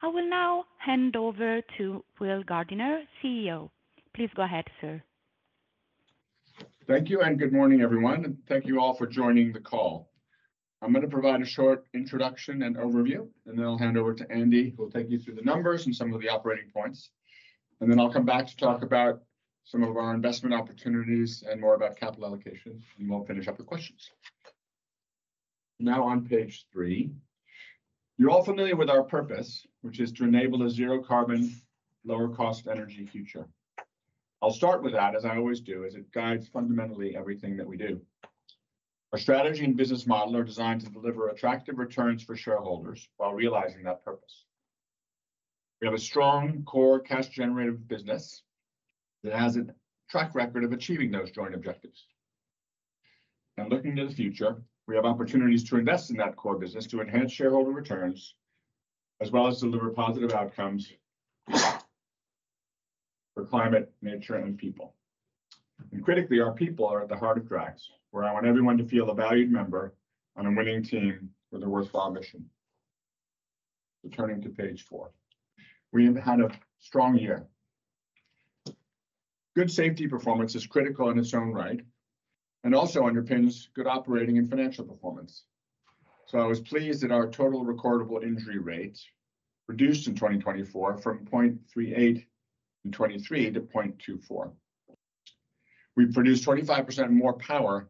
I will now hand over to Will Gardiner, CEO. Please go ahead, sir. Thank you, and good morning, everyone. Thank you all for joining the call. I'm going to provide a short introduction and overview, and then I'll hand over to Andy, who will take you through the numbers and some of the operating points, and then I'll come back to talk about some of our investment opportunities and more about capital allocation, and we'll finish up with questions. Now on page three, you're all familiar with our purpose, which is to enable a zero-carbon, lower-cost energy future. I'll start with that, as I always do, as it guides fundamentally everything that we do. Our strategy and business model are designed to deliver attractive returns for shareholders while realizing that purpose. We have a strong core cash-generative business that has a track record of achieving those joint objectives. Looking to the future, we have opportunities to invest in that core business to enhance shareholder returns as well as deliver positive outcomes for climate, nature, and people. Critically, our people are at the heart of Drax, where I want everyone to feel a valued member on a winning team for their worthwhile mission. Returning to page four, we have had a strong year. Good safety performance is critical in its own right and also underpins good operating and financial performance. I was pleased that our total recordable injury rate reduced in 2024 from 0.38 in 2023 to 0.24. We've produced 25% more power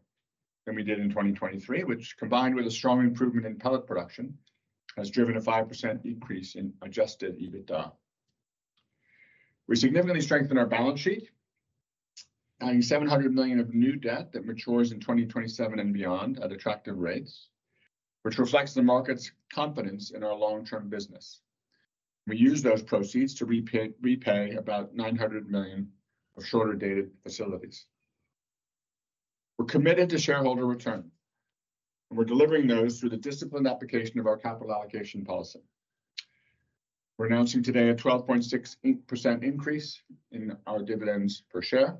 than we did in 2023, which, combined with a strong improvement in pellet production, has driven a 5% increase in adjusted EBITDA. We significantly strengthened our balance sheet, adding 700 million of new debt that matures in 2027 and beyond at attractive rates, which reflects the market's confidence in our long-term business. We use those proceeds to repay about 900 million of shorter-dated facilities. We're committed to shareholder return, and we're delivering those through the disciplined application of our capital allocation policy. We're announcing today a 12.6% increase in our dividends per share,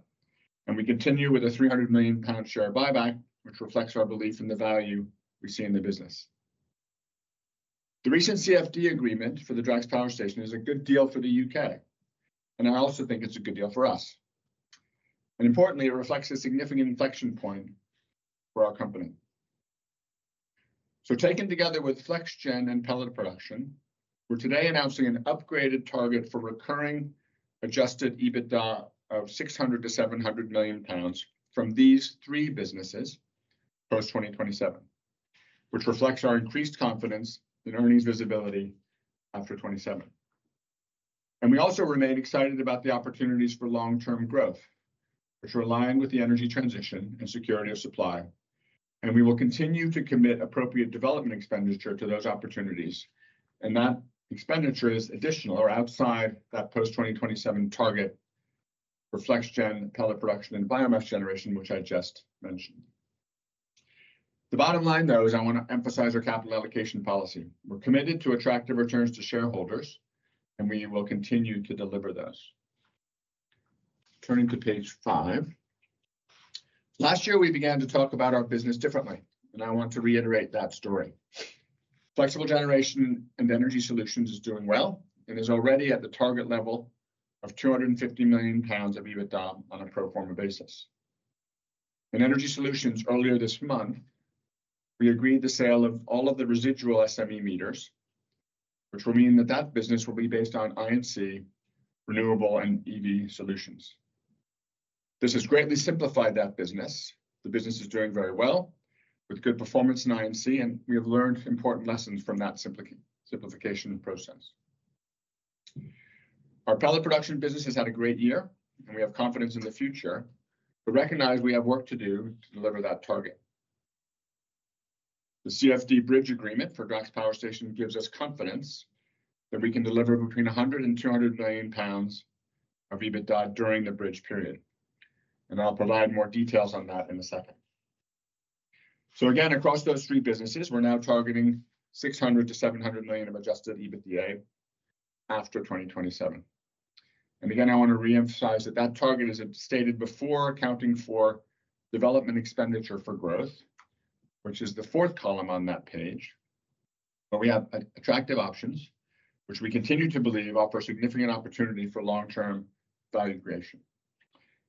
and we continue with a 300 million pound share buyback, which reflects our belief in the value we see in the business. The recent CFD agreement for the Drax Power Station is a good deal for the U.K. and I also think it's a good deal for us. Importantly, it reflects a significant inflection point for our company. Taken together with FlexGen and pellet production, we're today announcing an upgraded target for recurring adjusted EBITDA of 600 million-700 million pounds from these three businesses post 2027, which reflects our increased confidence in earnings visibility after 2027. We also remain excited about the opportunities for long-term growth, which are aligned with the energy transition and security of supply. We will continue to commit appropriate development expenditure to those opportunities. That expenditure is additional or outside that post 2027 target for FlexGen, pellet production, and biomass generation, which I just mentioned. The bottom line, though, is I want to emphasize our capital allocation policy. We're committed to attractive returns to shareholders, and we will continue to deliver those. Turning to page five, last year, we began to talk about our business differently, and I want to reiterate that story. Flexible Generation and Energy Solutions is doing well and is already at the target level of 250 million pounds of EBITDA on a pro forma basis. In Energy Solutions, earlier this month, we agreed the sale of all of the residual SME meters, which will mean that that business will be based on including renewable and EV solutions. This has greatly simplified that business. The business is doing very well with good performance including, and we have learned important lessons from that simplification process. Our pellet production business has had a great year, and we have confidence in the future, but recognize we have work to do to deliver that target. The CFD Bridge Agreement for Drax Power Station gives us confidence that we can deliver between £100 and 200 million pounds of EBITDA during the bridge period, and I'll provide more details on that in a second. So again, across those three businesses, we're now targeting 600 million-700 million of adjusted EBITDA after 2027. And again, I want to reemphasize that that target is stated before accounting for development expenditure for growth, which is the fourth column on that page, where we have attractive options, which we continue to believe offer significant opportunity for long-term value creation.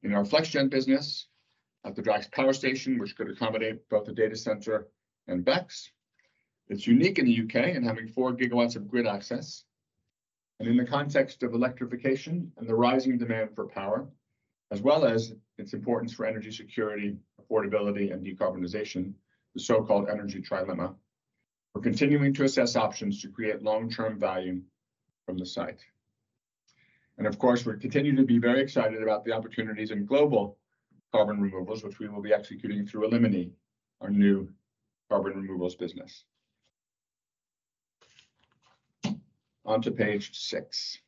In our FlexGen business at the Drax Power Station, which could accommodate both a data center and BECCS, it's unique in the U.K. in having four gigawatts of grid access. And in the context of electrification and the rising demand for power, as well as its importance for energy security, affordability, and decarbonization, the so-called Energy Trilemma, we're continuing to assess options to create long-term value from the site. Of course, we continue to be very excited about the opportunities in global carbon removals, which we will be executing through Elimini, our new carbon removals business. On to page six.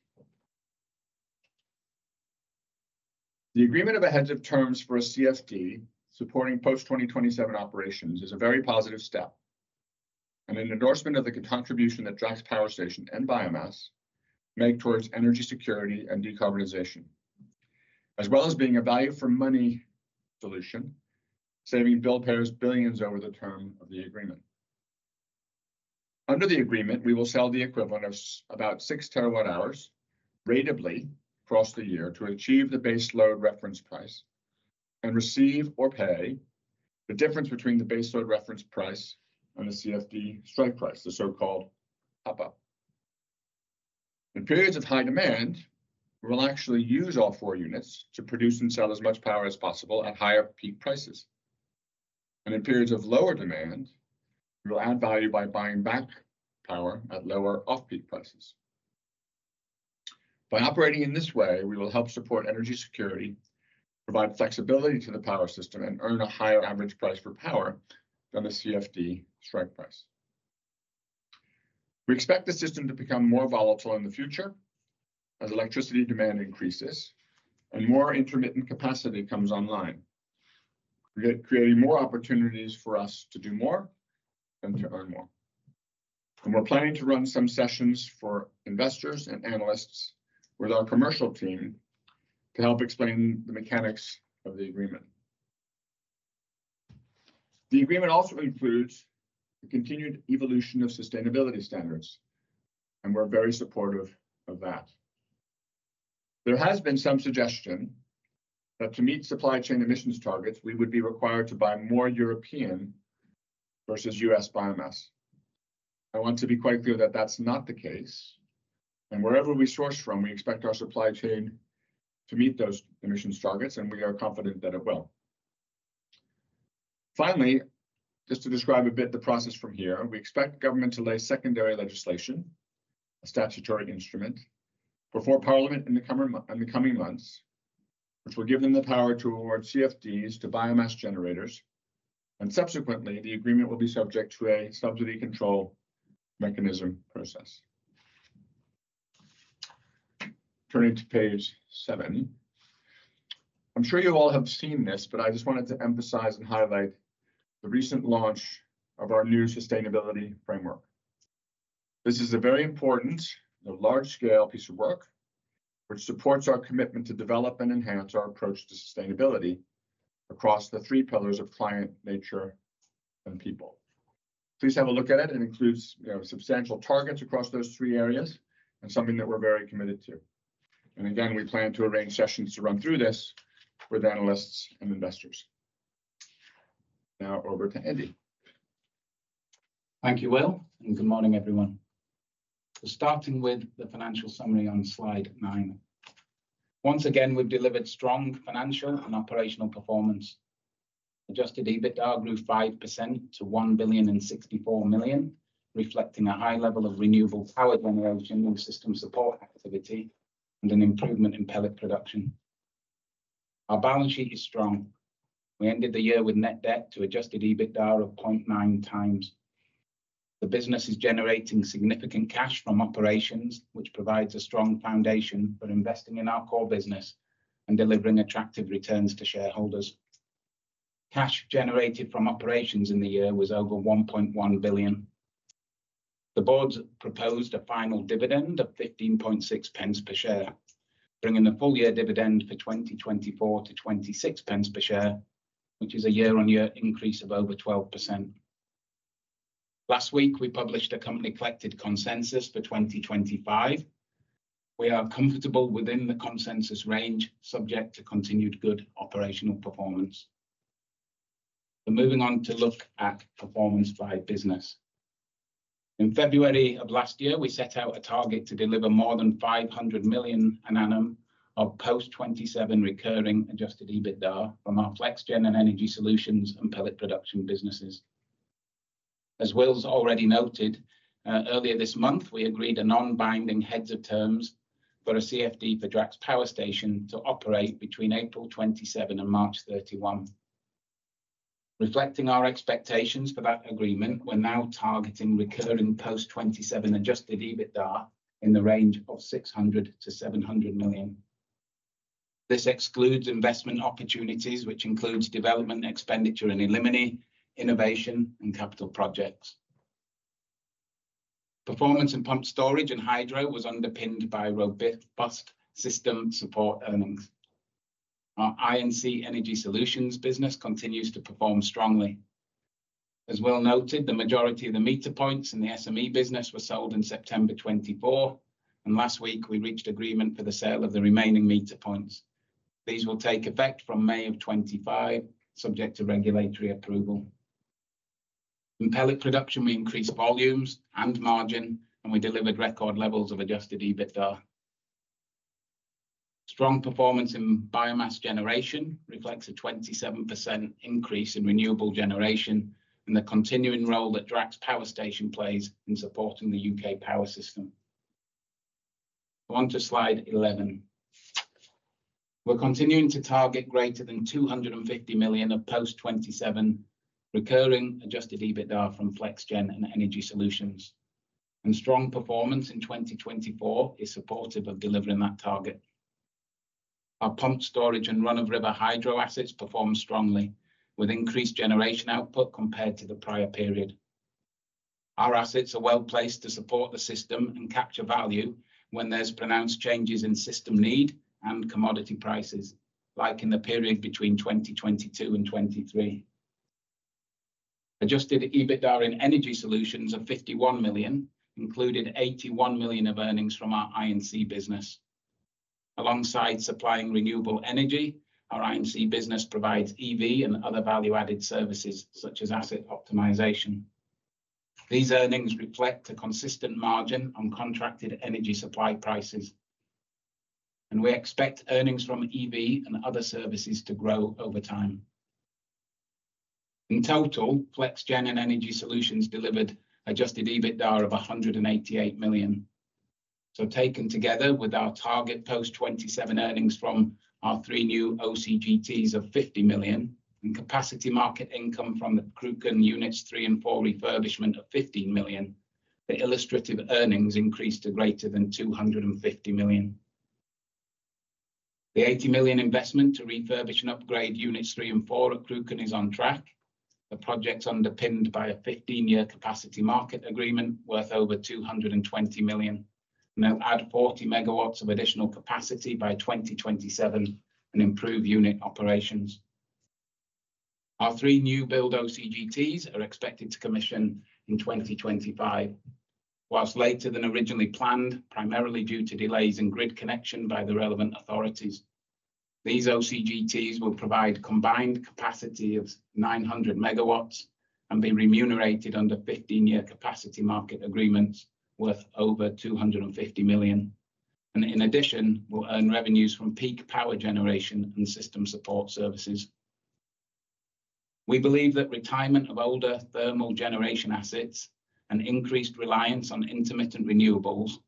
The agreement of heads of terms for a CFD supporting post-2027 operations is a very positive step and an endorsement of the contribution that Drax Power Station and biomass make towards energy security and decarbonization, as well as being a value-for-money solution, saving billpayers billions over the term of the agreement. Under the agreement, we will sell the equivalent of about six terawatt-hours rateably across the year to achieve the base load reference price and receive or pay the difference between the base load reference price and the CFD strike price, the so-called top-up. In periods of high demand, we will actually use all four units to produce and sell as much power as possible at higher peak prices. And in periods of lower demand, we will add value by buying back power at lower off-peak prices. By operating in this way, we will help support energy security, provide flexibility to the power system, and earn a higher average price for power than the CFD strike price. We expect the system to become more volatile in the future as electricity demand increases and more intermittent capacity comes online, creating more opportunities for us to do more and to earn more. And we're planning to run some sessions for investors and analysts with our commercial team to help explain the mechanics of the agreement. The agreement also includes the continued evolution of sustainability standards, and we're very supportive of that. There has been some suggestion that to meet supply chain emissions targets, we would be required to buy more European versus U.S. biomass. I want to be quite clear that that's not the case, and wherever we source from, we expect our supply chain to meet those emissions targets, and we are confident that it will. Finally, just to describe a bit the process from here, we expect government to lay secondary legislation, a statutory instrument, before Parliament in the coming months, which will give them the power to award CFDs to biomass generators, and subsequently, the agreement will be subject to a subsidy control mechanism process. Turning to page seven, I'm sure you all have seen this, but I just wanted to emphasize and highlight the recent launch of our new sustainability framework. This is a very important and large-scale piece of work, which supports our commitment to develop and enhance our approach to sustainability across the three pillars of climate, nature, and people. Please have a look at it. It includes substantial targets across those three areas and something that we're very committed to. And again, we plan to arrange sessions to run through this with analysts and investors. Now over to Andy. Thank you, Will, and good morning, everyone. So starting with the financial summary on slide nine, once again, we've delivered strong financial and operational performance. Adjusted EBITDA grew 5% to 1.064 billion, reflecting a high level of renewable power generation and system support activity and an improvement in pellet production. Our balance sheet is strong. We ended the year with net debt to adjusted EBITDA of 0.9 times. The business is generating significant cash from operations, which provides a strong foundation for investing in our core business and delivering attractive returns to shareholders. Cash generated from operations in the year was over 1.1 billion. The board proposed a final dividend of 15.60 per share, bringing the full year dividend for 2024 to 0.26 per share, which is a year-on-year increase of over 12%. Last week, we published a company-collected consensus for 2025. We are comfortable within the consensus range, subject to continued good operational performance. We're moving on to look at performance by business. In February of last year, we set out a target to deliver more than £500 million of post-2027 recurring adjusted EBITDA from our FlexGen and Energy Solutions and pellet production businesses. As Will's already noted, earlier this month, we agreed a non-binding heads of terms for a CFD for Drax Power Station to operate between April 27th and March 31st. Reflecting our expectations for that agreement, we're now targeting recurring post-2027 adjusted EBITDA in the range of 600 million-700 million. This excludes investment opportunities, which includes development expenditure in Elimini, innovation, and capital projects. Performance in pumped storage and hydro was underpinned by robust system support earnings. Our Drax Energy Solutions business continues to perform strongly. As Will noted, the majority of the meter points in the SME business were sold in September 2024, and last week, we reached agreement for the sale of the remaining meter points. These will take effect from May of 2025, subject to regulatory approval. In pellet production, we increased volumes and margin, and we delivered record levels of Adjusted EBITDA. Strong performance in biomass generation reflects a 27% increase in renewable generation and the continuing role that Drax Power Station plays in supporting the UK power system. On to slide 11. We're continuing to target greater than 250 million of post 2027 recurring Adjusted EBITDA from FlexGen and Energy Solutions. And strong performance in 2024 is supportive of delivering that target. Our pumped storage and run-of-river hydro assets perform strongly, with increased generation output compared to the prior period. Our assets are well placed to support the system and capture value when there's pronounced changes in system need and commodity prices, like in the period between 2022 and 2023. Adjusted EBITDA in Energy Solutions of 51 million included 81 million of earnings from our I&C business. Alongside supplying renewable energy, our I&C business provides EV and other value-added services such as asset optimization. These earnings reflect a consistent margin on contracted energy supply prices, and we expect earnings from EV and other services to grow over time. In total, FlexGen and Energy Solutions delivered adjusted EBITDA of 188 million. So taken together with our target post 2027 earnings from our three new OCGTs of 50 million and capacity market income from the Cruachan units three and four refurbishment of 15 million, the illustrative earnings increased to greater than 250 million. The 80 million investment to refurbish and upgrade units three and four at Cruachan is on track. The project's underpinned by a 15-year capacity market agreement worth over 220 million, and they'll add 40 megawatts of additional capacity by 2027 and improve unit operations. Our three new build OCGTs are expected to commission in 2025, while later than originally planned, primarily due to delays in grid connection by the relevant authorities. These OCGTs will provide combined capacity of 900 megawatts and be remunerated under 15-year capacity market agreements worth over 250 million, and in addition, we'll earn revenues from peak power generation and system support services. We believe that retirement of older thermal generation assets and increased reliance on intermittent renewables,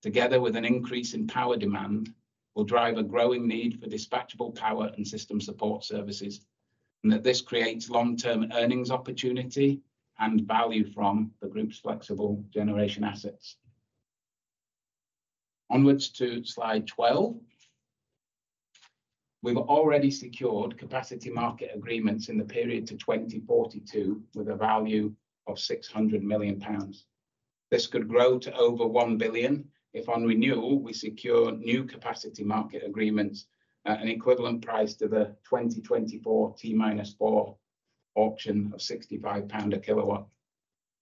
together with an increase in power demand, will drive a growing need for dispatchable power and system support services, and that this creates long-term earnings opportunity and value from the group's flexible generation assets. Onwards to slide 12. We've already secured capacity market agreements in the period to 2042 with a value of 600 million pounds. This could grow to over £1 billion if on renewal, we secure new capacity market agreements at an equivalent price to the 2024 T-4 auction of £65 a kilowatt.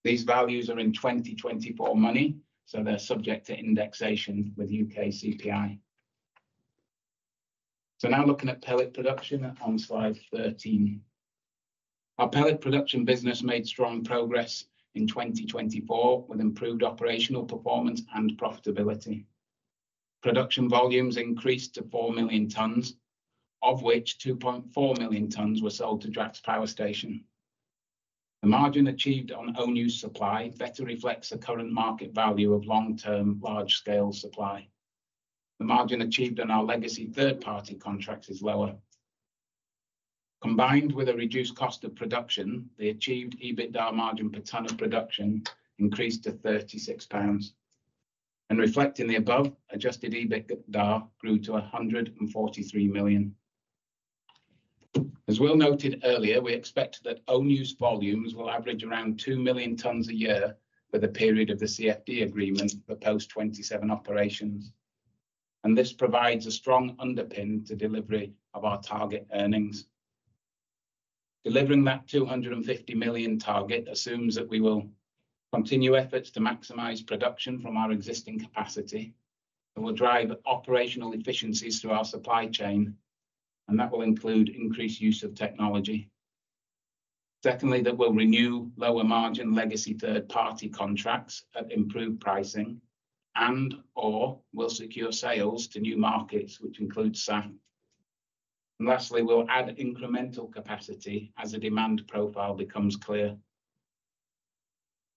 These values are in 2024 money, so they're subject to indexation with U.K. CPI. Now looking at pellet production on slide 13. Our pellet production business made strong progress in 2024 with improved operational performance and profitability. Production volumes increased to four million tons, of which 2.4 million tons were sold to Drax Power Station. The margin achieved on own use supply better reflects the current market value of long-term large-scale supply. The margin achieved on our legacy third-party contracts is lower. Combined with a reduced cost of production, the achieved EBITDA margin per ton of production increased to 36 pounds. Reflecting the above, adjusted EBITDA grew to 143 million. As Will noted earlier, we expect that own use volumes will average around two million tons a year for the period of the CFD agreement for post 2027 operations. This provides a strong underpin to delivery of our target earnings. Delivering that 250 million target assumes that we will continue efforts to maximize production from our existing capacity and will drive operational efficiencies through our supply chain, and that will include increased use of technology. Secondly, that we'll renew lower margin legacy third-party contracts at improved pricing and/or we'll secure sales to new markets, which includes SAF. And lastly, we'll add incremental capacity as the demand profile becomes clear.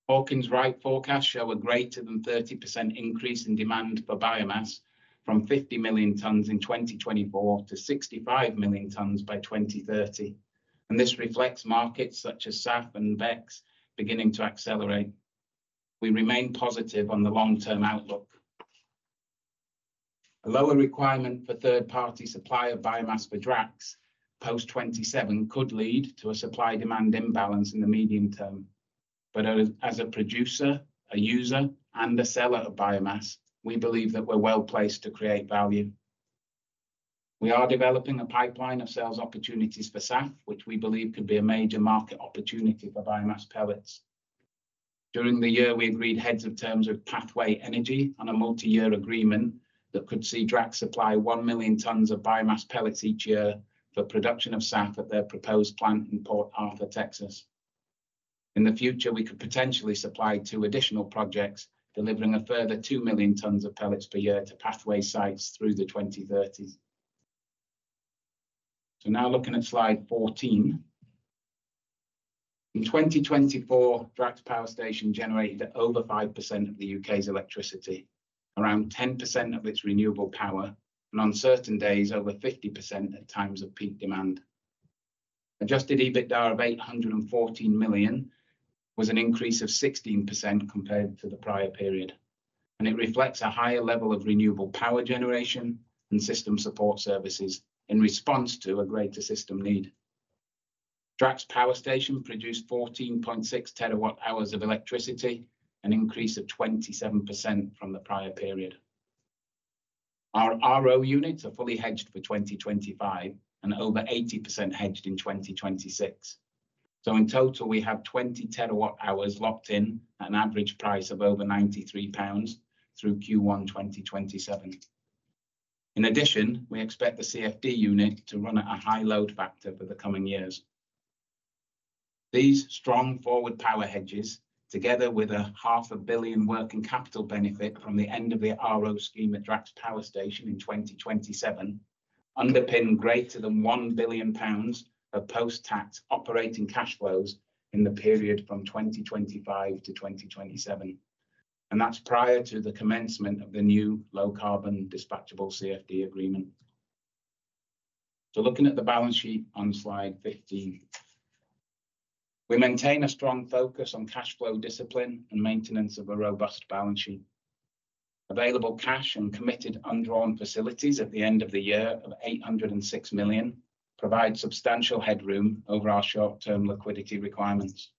Hawkins Wright forecasts show a greater than 30% increase in demand for biomass from 50 million tons in 2024 to 65 million tons by 2030. And this reflects markets such as SAF and BECCS beginning to accelerate. We remain positive on the long-term outlook. A lower requirement for third-party supply of biomass for Drax post-2027 could lead to a supply-demand imbalance in the medium term. But as a producer, a user, and a seller of biomass, we believe that we're well placed to create value. We are developing a pipeline of sales opportunities for SAF, which we believe could be a major market opportunity for biomass pellets. During the year, we agreed Heads of Terms with Pathway Energy on a multi-year agreement that could see Drax supply 1 million tons of biomass pellets each year for production of SAF at their proposed plant in Port Arthur, Texas. In the future, we could potentially supply two additional projects, delivering a further 2 million tons of pellets per year to Pathway sites through the 2030s. Now looking at slide 14. In 2024, Drax Power Station generated over 5% of the U.K.'s electricity, around 10% of its renewable power, and on certain days, over 50% at times of peak demand. Adjusted EBITDA of 814 million was an increase of 16% compared to the prior period, and it reflects a higher level of renewable power generation and system support services in response to a greater system need. Drax Power Station produced 14.6 terawatt hours of electricity, an increase of 27% from the prior period. Our RO units are fully hedged for 2025 and over 80% hedged in 2026. So in total, we have 20 terawatt hours locked in at an average price of over 93 pounds through Q1 2027. In addition, we expect the CFD unit to run at a high load factor for the coming years. These strong forward power hedges, together with a 500 million working capital benefit from the end-of-year RO scheme at Drax Power Station in 2027, underpin greater than £1 billion of post-tax operating cash flows in the period from 2025 to 2027. And that's prior to the commencement of the new low-carbon dispatchable CFD agreement. So looking at the balance sheet on slide 15, we maintain a strong focus on cash flow discipline and maintenance of a robust balance sheet. Available cash and committed undrawn facilities at the end of the year of 806 million provide substantial headroom over our short-term liquidity requirements.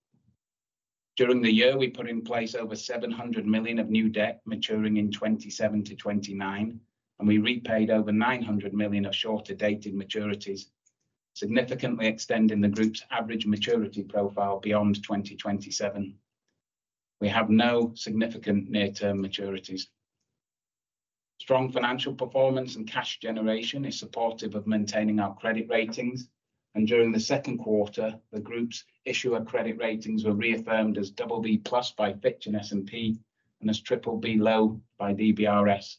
During the year, we put in place over 700 million of new debt maturing in 2027 to 2029, and we repaid over 900 million of shorter dated maturities, significantly extending the group's average maturity profile beyond 2027. We have no significant near-term maturities. Strong financial performance and cash generation is supportive of maintaining our credit ratings. And during the second quarter, the group's issuer credit ratings were reaffirmed as BB+ by Fitch and S&P and as BBB low by DBRS.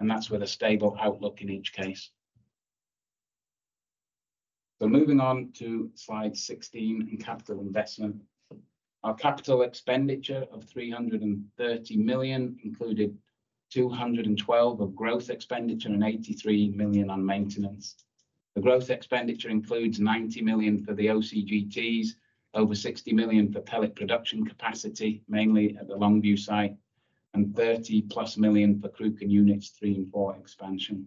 And that's with a stable outlook in each case. So moving on to slide 16 and capital investment. Our capital expenditure of 330 million included 212 of growth expenditure and £83 million on maintenance. The growth expenditure includes 90 million for the OCGTs, over 60 million for pellet production capacity, mainly at the Longview site, and 30+ million for Cruachan units three and four expansion.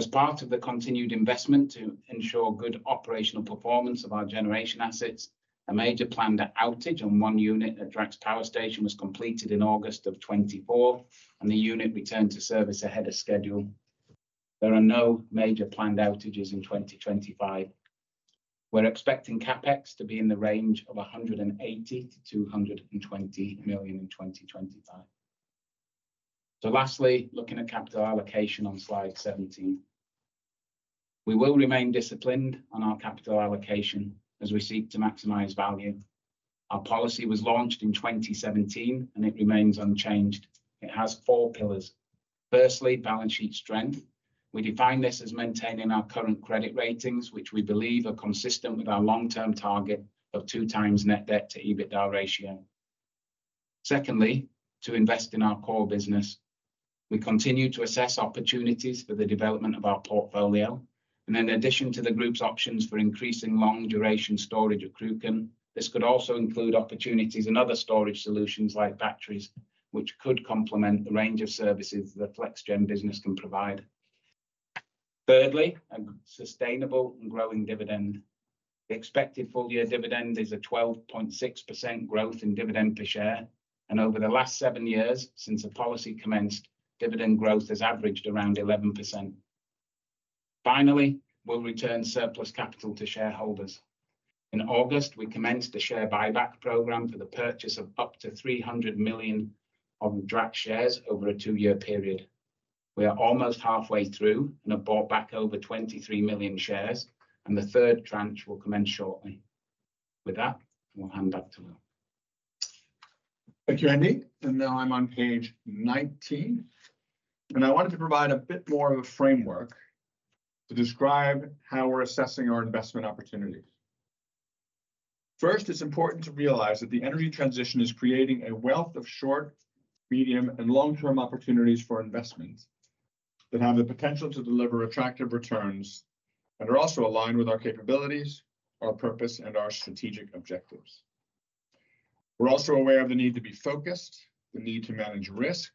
As part of the continued investment to ensure good operational performance of our generation assets, a major planned outage on one unit at Drax Power Station was completed in August of 2024, and the unit returned to service ahead of schedule. There are no major planned outages in 2025. We're expecting CapEx to be in the range of 180 million-220 million in 2025. So lastly, looking at capital allocation on slide 17. We will remain disciplined on our capital allocation as we seek to maximize value. Our policy was launched in 2017, and it remains unchanged. It has four pillars. Firstly, balance sheet strength. We define this as maintaining our current credit ratings, which we believe are consistent with our long-term target of two times net debt to EBITDA ratio. Secondly, to invest in our core business. We continue to assess opportunities for the development of our portfolio. And in addition to the group's options for increasing long-duration storage at Cruachan, this could also include opportunities in other storage solutions like batteries, which could complement the range of services the FlexGen business can provide. Thirdly, a sustainable and growing dividend. The expected full-year dividend is a 12.6% growth in dividend per share. And over the last seven years since the policy commenced, dividend growth has averaged around 11%. Finally, we'll return surplus capital to shareholders. In August, we commenced a share buyback program for the purchase of up to 300 million of Drax shares over a two-year period. We are almost halfway through and have bought back over 23 million shares, and the third tranche will commence shortly. With that, we'll hand back to Will. Thank you, Andy. And now I'm on page 19. And I wanted to provide a bit more of a framework to describe how we're assessing our investment opportunities. First, it's important to realize that the energy transition is creating a wealth of short, medium, and long-term opportunities for investment that have the potential to deliver attractive returns and are also aligned with our capabilities, our purpose, and our strategic objectives. We're also aware of the need to be focused, the need to manage risk,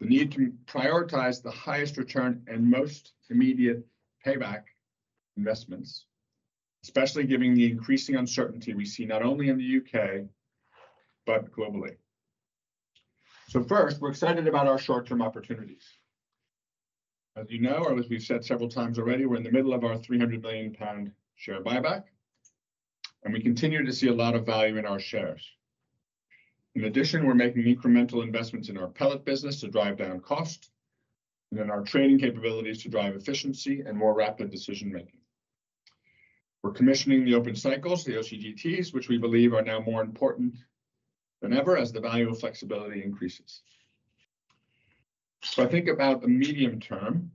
the need to prioritize the highest return and most immediate payback investments, especially given the increasing uncertainty we see not only in the U.K., but globally. So first, we're excited about our short-term opportunities. As you know, or as we've said several times already, we're in the middle of our 300 million pound share buyback, and we continue to see a lot of value in our shares. In addition, we're making incremental investments in our pellet business to drive down costs and in our trading capabilities to drive efficiency and more rapid decision-making. We're commissioning the open cycles, the OCGTs, which we believe are now more important than ever as the value of flexibility increases. So I think about the medium term.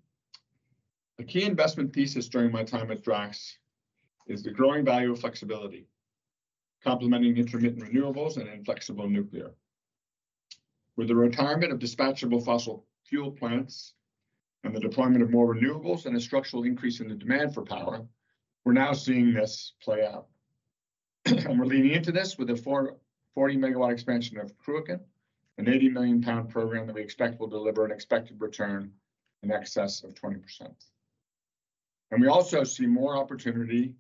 A key investment thesis during my time at Drax is the growing value of flexibility, complementing intermittent renewables and inflexible nuclear. With the retirement of dispatchable fossil fuel plants and the deployment of more renewables and a structural increase in the demand for power, we're now seeing this play out. And we're leaning into this with a 40 megawatt expansion of Cruachan, a 80 million pound program that we expect will deliver an expected return in excess of 20%. And we also see more opportunity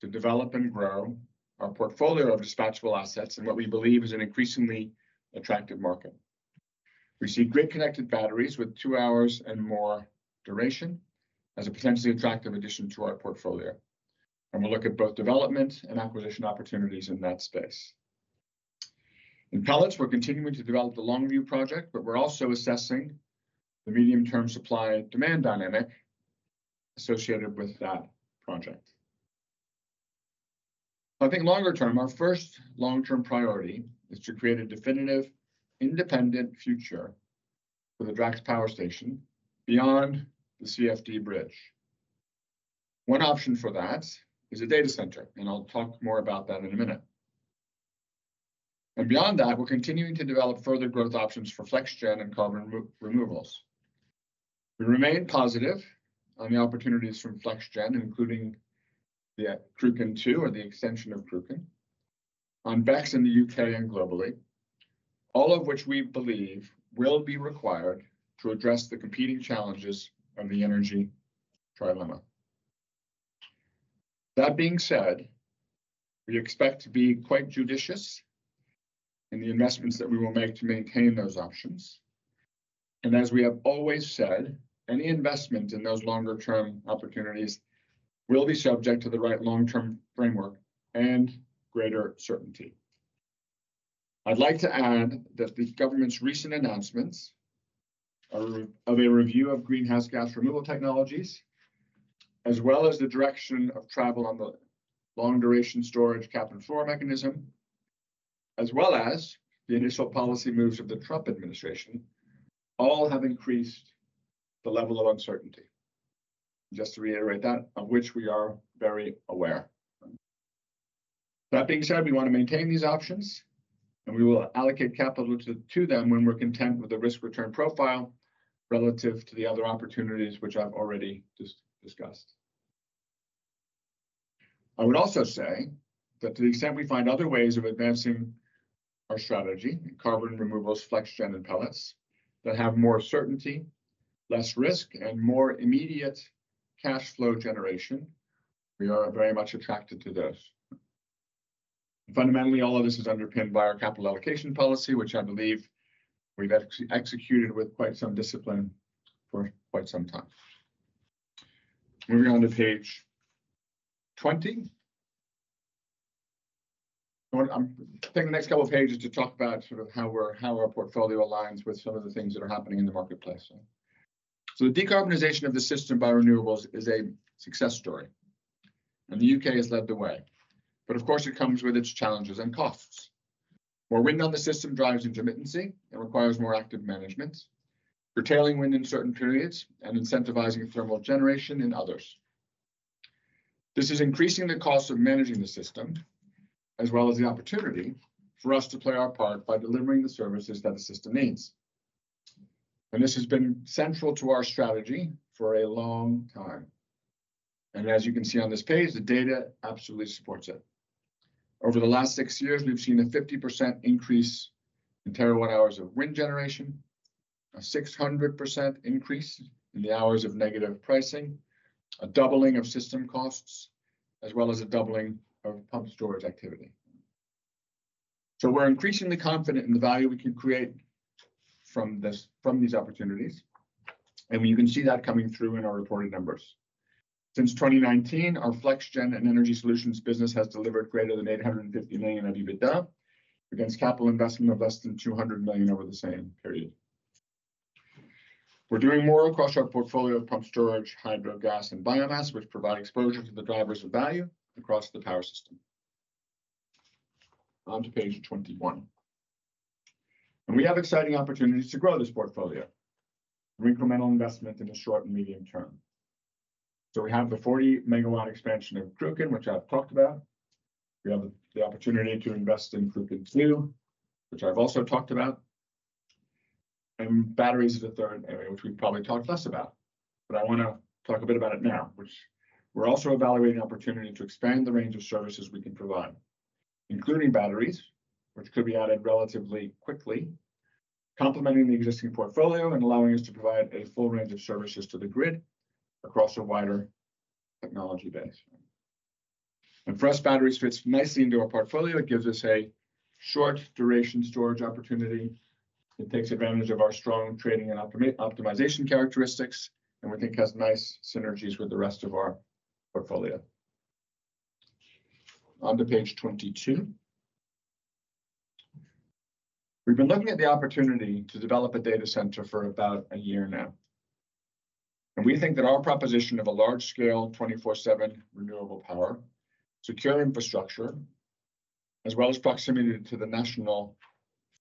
to develop and grow our portfolio of dispatchable assets in what we believe is an increasingly attractive market. We see grid-connected batteries with two hours and more duration as a potentially attractive addition to our portfolio. And we'll look at both development and acquisition opportunities in that space. In pellets, we're continuing to develop the Longview project, but we're also assessing the medium-term supply-demand dynamic associated with that project. I think longer term, our first long-term priority is to create a definitive independent future for the Drax Power Station beyond the CFD bridge. One option for that is a data center, and I'll talk more about that in a minute. And beyond that, we're continuing to develop further growth options for FlexGen and carbon removals. We remain positive on the opportunities from FlexGen, including the Cruachan 2 or the extension of Cruachan, on BECCS in the UK and globally, all of which we believe will be required to address the competing challenges of the Energy Trilemma. That being said, we expect to be quite judicious in the investments that we will make to maintain those options. And as we have always said, any investment in those longer-term opportunities will be subject to the right long-term framework and greater certainty. I'd like to add that the government's recent announcements of a review of greenhouse gas removal technologies, as well as the direction of travel on the long-duration storage Cap-and-Floor mechanism, as well as the initial policy moves of the Trump administration, all have increased the level of uncertainty. Just to reiterate that, of which we are very aware. That being said, we want to maintain these options, and we will allocate capital to them when we're content with the risk-return profile relative to the other opportunities which I've already discussed. I would also say that to the extent we find other ways of advancing our strategy, carbon removals, FlexGen, and pellets that have more certainty, less risk, and more immediate cash flow generation, we are very much attracted to those. Fundamentally, all of this is underpinned by our capital allocation policy, which I believe we've executed with quite some discipline for quite some time. Moving on to page 20. I'm taking the next couple of pages to talk about sort of how our portfolio aligns with some of the things that are happening in the marketplace. So the decarbonization of the system by renewables is a success story. The UK has led the way. But of course, it comes with its challenges and costs. More wind on the system drives intermittency and requires more active management, curtailing wind in certain periods and incentivizing thermal generation in others. This is increasing the cost of managing the system, as well as the opportunity for us to play our part by delivering the services that the system needs. This has been central to our strategy for a long time. As you can see on this page, the data absolutely supports it. Over the last six years, we've seen a 50% increase in terawatt hours of wind generation, a 600% increase in the hours of negative pricing, a doubling of system costs, as well as a doubling of pumped storage activity. We're increasingly confident in the value we can create from these opportunities. You can see that coming through in our reported numbers. Since 2019, our FlexGen and energy solutions business has delivered greater than 850 million of EBITDA against capital investment of less than 200 million over the same period. We're doing more across our portfolio of pumped storage, hydro, gas, and biomass, which provide exposure to the drivers of value across the power system. On to page 21. We have exciting opportunities to grow this portfolio through incremental investment in the short and medium term. We have the 40 megawatt expansion of Cruachan, which I've talked about. We have the opportunity to invest in Cruachan 2, which I've also talked about. And batteries is a third area, which we've probably talked less about. But I want to talk a bit about it now, which we're also evaluating the opportunity to expand the range of services we can provide, including batteries, which could be added relatively quickly, complementing the existing portfolio and allowing us to provide a full range of services to the grid across a wider technology base. And for us, batteries fits nicely into our portfolio. It gives us a short-duration storage opportunity. It takes advantage of our strong trading and optimization characteristics, and we think has nice synergies with the rest of our portfolio. On to page 22. We've been looking at the opportunity to develop a data center for about a year now. And we think that our proposition of a large-scale 24/7 renewable power, secure infrastructure, as well as proximity to the national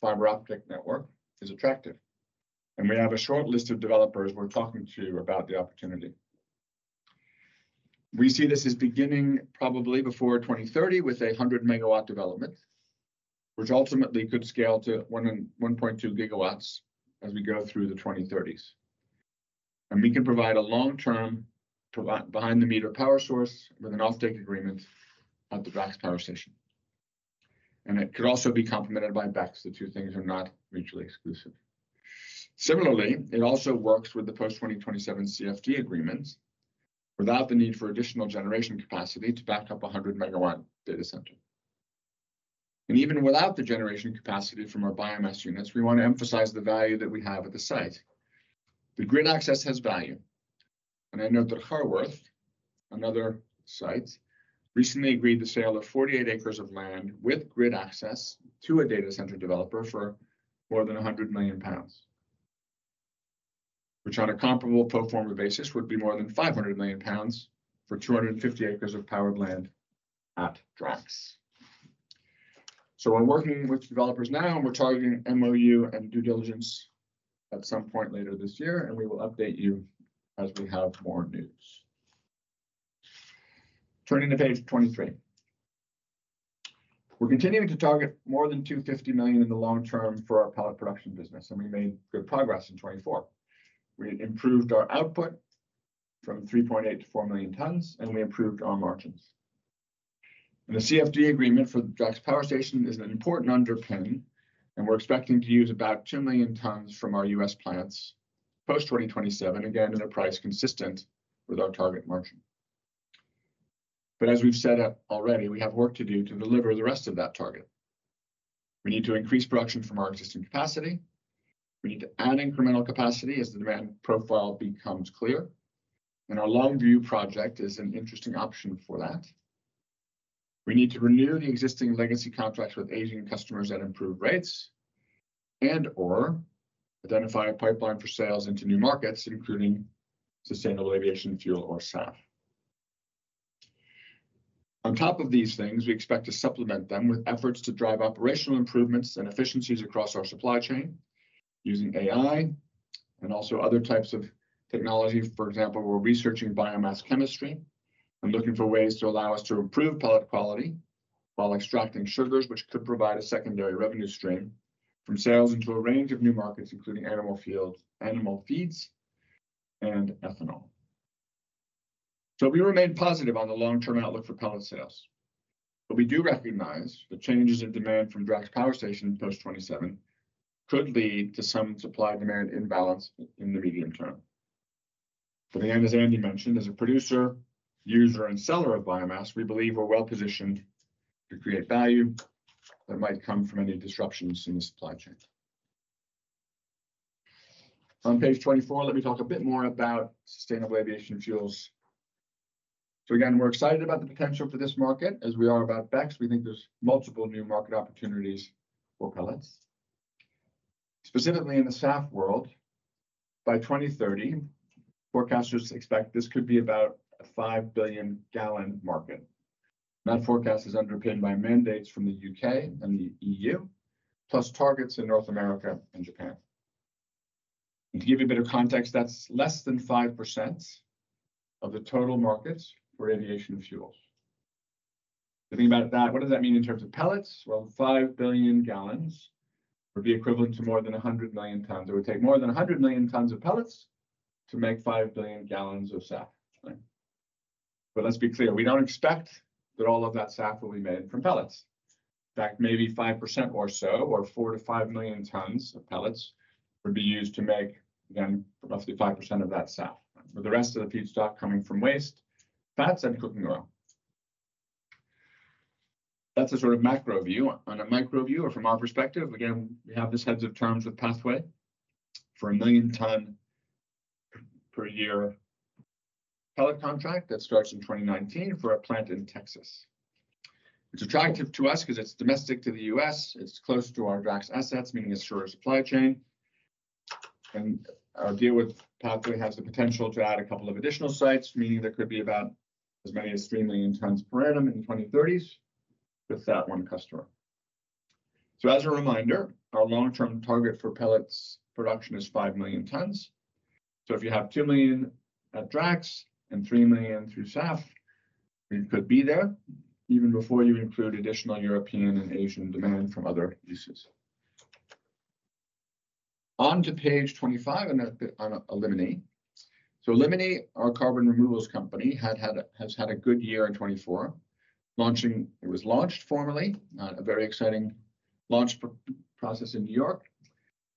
fiber optic network, is attractive. We have a short list of developers we're talking to about the opportunity. We see this as beginning probably before 2030 with a 100-megawatt development, which ultimately could scale to 1.2 gigawatts as we go through the 2030s. We can provide a long-term behind-the-meter power source with an offtake agreement at the Drax Power Station. It could also be complemented by BECCS. The two things are not mutually exclusive. Similarly, it also works with the post-2027 CFD agreements without the need for additional generation capacity to back up a 100 megawatt data center. Even without the generation capacity from our biomass units, we want to emphasize the value that we have at the site. The grid access has value. And I know that Harworth, another site, recently agreed to sale of 48 acres of land with grid access to a data center developer for more than 100 million pounds, which on a comparable pro forma basis would be more than £500 million for 250 acres of powered land at Drax. So we're working with developers now, and we're targeting MOU and due diligence at some point later this year, and we will update you as we have more news. Turning to page 23. We're continuing to target more than 250 million in the long term for our pellet production business, and we made good progress in 2024. We improved our output from 3.8 to 4 million tons, and we improved our margins. And the CFD agreement for the Drax Power Station is an important underpin, and we're expecting to use about two million tons from our US plants post-2027, again, at a price consistent with our target margin. But as we've said already, we have work to do to deliver the rest of that target. We need to increase production from our existing capacity. We need to add incremental capacity as the demand profile becomes clear. And our Longview project is an interesting option for that. We need to renew the existing legacy contracts with aging customers at improved rates and/or identify a pipeline for sales into new markets, including sustainable aviation fuel or SAF. On top of these things, we expect to supplement them with efforts to drive operational improvements and efficiencies across our supply chain using AI and also other types of technology. For example, we're researching biomass chemistry and looking for ways to allow us to improve pellet quality while extracting sugars, which could provide a secondary revenue stream from sales into a range of new markets, including animal feeds and ethanol. So we remain positive on the long-term outlook for pellet sales. But we do recognize the changes in demand from Drax Power Station post 2027 could lead to some supply-demand imbalance in the medium term. But again, as Andy mentioned, as a producer, user, and seller of biomass, we believe we're well-positioned to create value that might come from any disruptions in the supply chain. On page 24, let me talk a bit more about sustainable aviation fuels. So again, we're excited about the potential for this market, as we are about BECCS. We think there's multiple new market opportunities for pellets, specifically in the SAF world. By 2030, forecasters expect this could be about a 5 billion-gallon market. That forecast is underpinned by mandates from the UK and the EU, plus targets in North America and Japan. To give you a bit of context, that's less than 5% of the total markets for aviation fuels. If you think about that, what does that mean in terms of pellets? Well, 5 billion gallons would be equivalent to more than 100 million tons. It would take more than 100 million tons of pellets to make 5 billion gallons of SAF. But let's be clear, we don't expect that all of that SAF will be made from pellets. In fact, maybe 5% or so, or 4-5 million tons of pellets would be used to make, again, roughly 5% of that SAF, with the rest of the feedstock coming from waste, fats, and cooking oil. That's a sort of macro view. On a micro view, or from our perspective, again, we have this heads-of-terms with Pathway for a million-ton-per-year pellet contract that starts in 2019 for a plant in Texas. It's attractive to us because it's domestic to the U.S. It's close to our Drax assets, meaning a surer supply chain. And our deal with Pathway has the potential to add a couple of additional sites, meaning there could be about as many as 3 million tons per annum in the 2030s with that one customer. So as a reminder, our long-term target for pellets production is 5 million tons. So if you have 2 million at Drax and 3 million through SAF, it could be there even before you include additional European and Asian demand from other uses. On to page 25, and I'll a little bit on Elimini. So Elimini, our carbon removals company, has had a good year in 2024. It was launched formally, a very exciting launch process in New York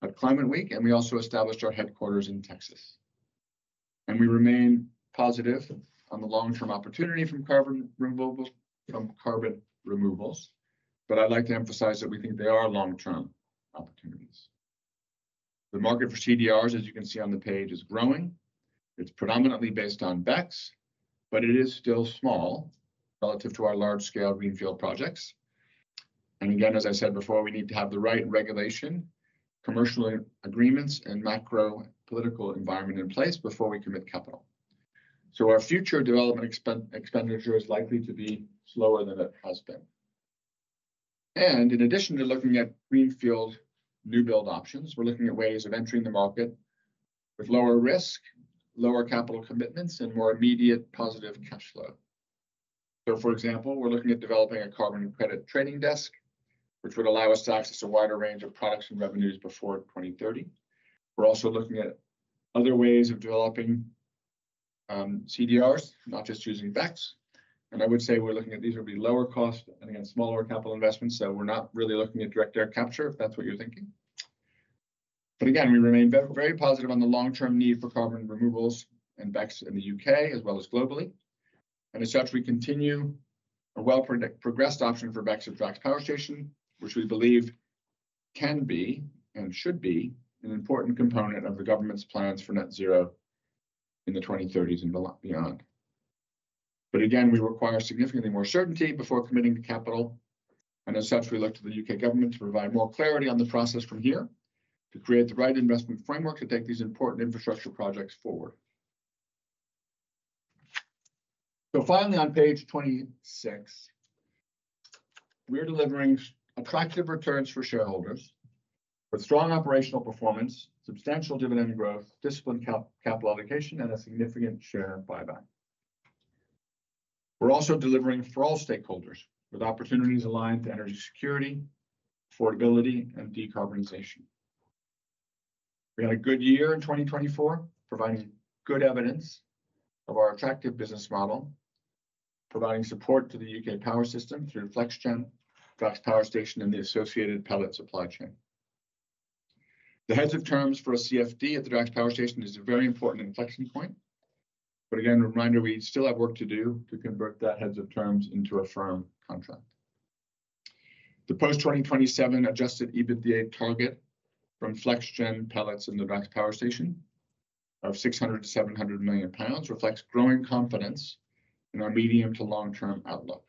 at Climate Week, and we also established our headquarters in Texas. And we remain positive on the long-term opportunity from carbon removals. But I'd like to emphasize that we think they are long-term opportunities. The market for CDRs, as you can see on the page, is growing. It's predominantly based on BECCS, but it is still small relative to our large-scale greenfield projects. And again, as I said before, we need to have the right regulation, commercial agreements, and macro political environment in place before we commit capital. So our future development expenditure is likely to be slower than it has been. And in addition to looking at greenfield new build options, we're looking at ways of entering the market with lower risk, lower capital commitments, and more immediate positive cash flow. So for example, we're looking at developing a carbon credit trading desk, which would allow us to access a wider range of products and revenues before 2030. We're also looking at other ways of developing CDRs, not just using BECCS. And I would say we're looking at these would be lower cost and, again, smaller capital investments. So we're not really looking at direct air capture, if that's what you're thinking. But again, we remain very positive on the long-term need for carbon removals and BECCS in the UK, as well as globally. And as such, we continue a well-progressed option for BECCS at Drax Power Station, which we believe can be and should be an important component of the government's plans for net zero in the 2030s and beyond. But again, we require significantly more certainty before committing capital. And as such, we look to the U.K. government to provide more clarity on the process from here to create the right investment framework to take these important infrastructure projects forward. So finally, on page 26, we're delivering attractive returns for shareholders with strong operational performance, substantial dividend growth, disciplined capital allocation, and a significant share buyback. We're also delivering for all stakeholders with opportunities aligned to energy security, affordability, and decarbonization. We had a good year in 2024, providing good evidence of our attractive business model, providing support to the UK power system through FlexGen, Drax Power Station, and the associated pellet supply chain. The heads-of-terms for a CFD at the Drax Power Station is a very important inflection point. But again, a reminder, we still have work to do to convert that heads-of-terms into a firm contract. The post 2027 adjusted EBITDA target from FlexGen pellets in the Drax Power Station of 600 million-700 million pounds reflects growing confidence in our medium to long-term outlook,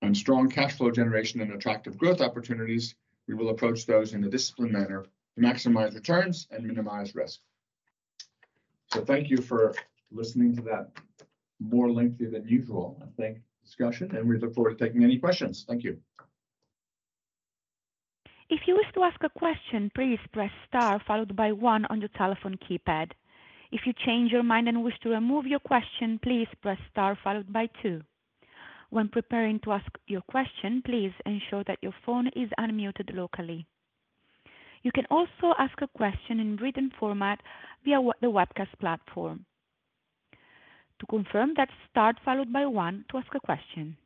and strong cash flow generation and attractive growth opportunities, we will approach those in a disciplined manner to maximize returns and minimize risk, so thank you for listening to that more lengthy than usual, I think, discussion, and we look forward to taking any questions. Thank you. If you wish to ask a question, please press star followed by one on your telephone keypad. If you change your mind and wish to remove your question, please press star followed by two. When preparing to ask your question, please ensure that your phone is unmuted locally. You can also ask a question in written format via the webcast platform. To confirm, that's star followed by one to ask a question.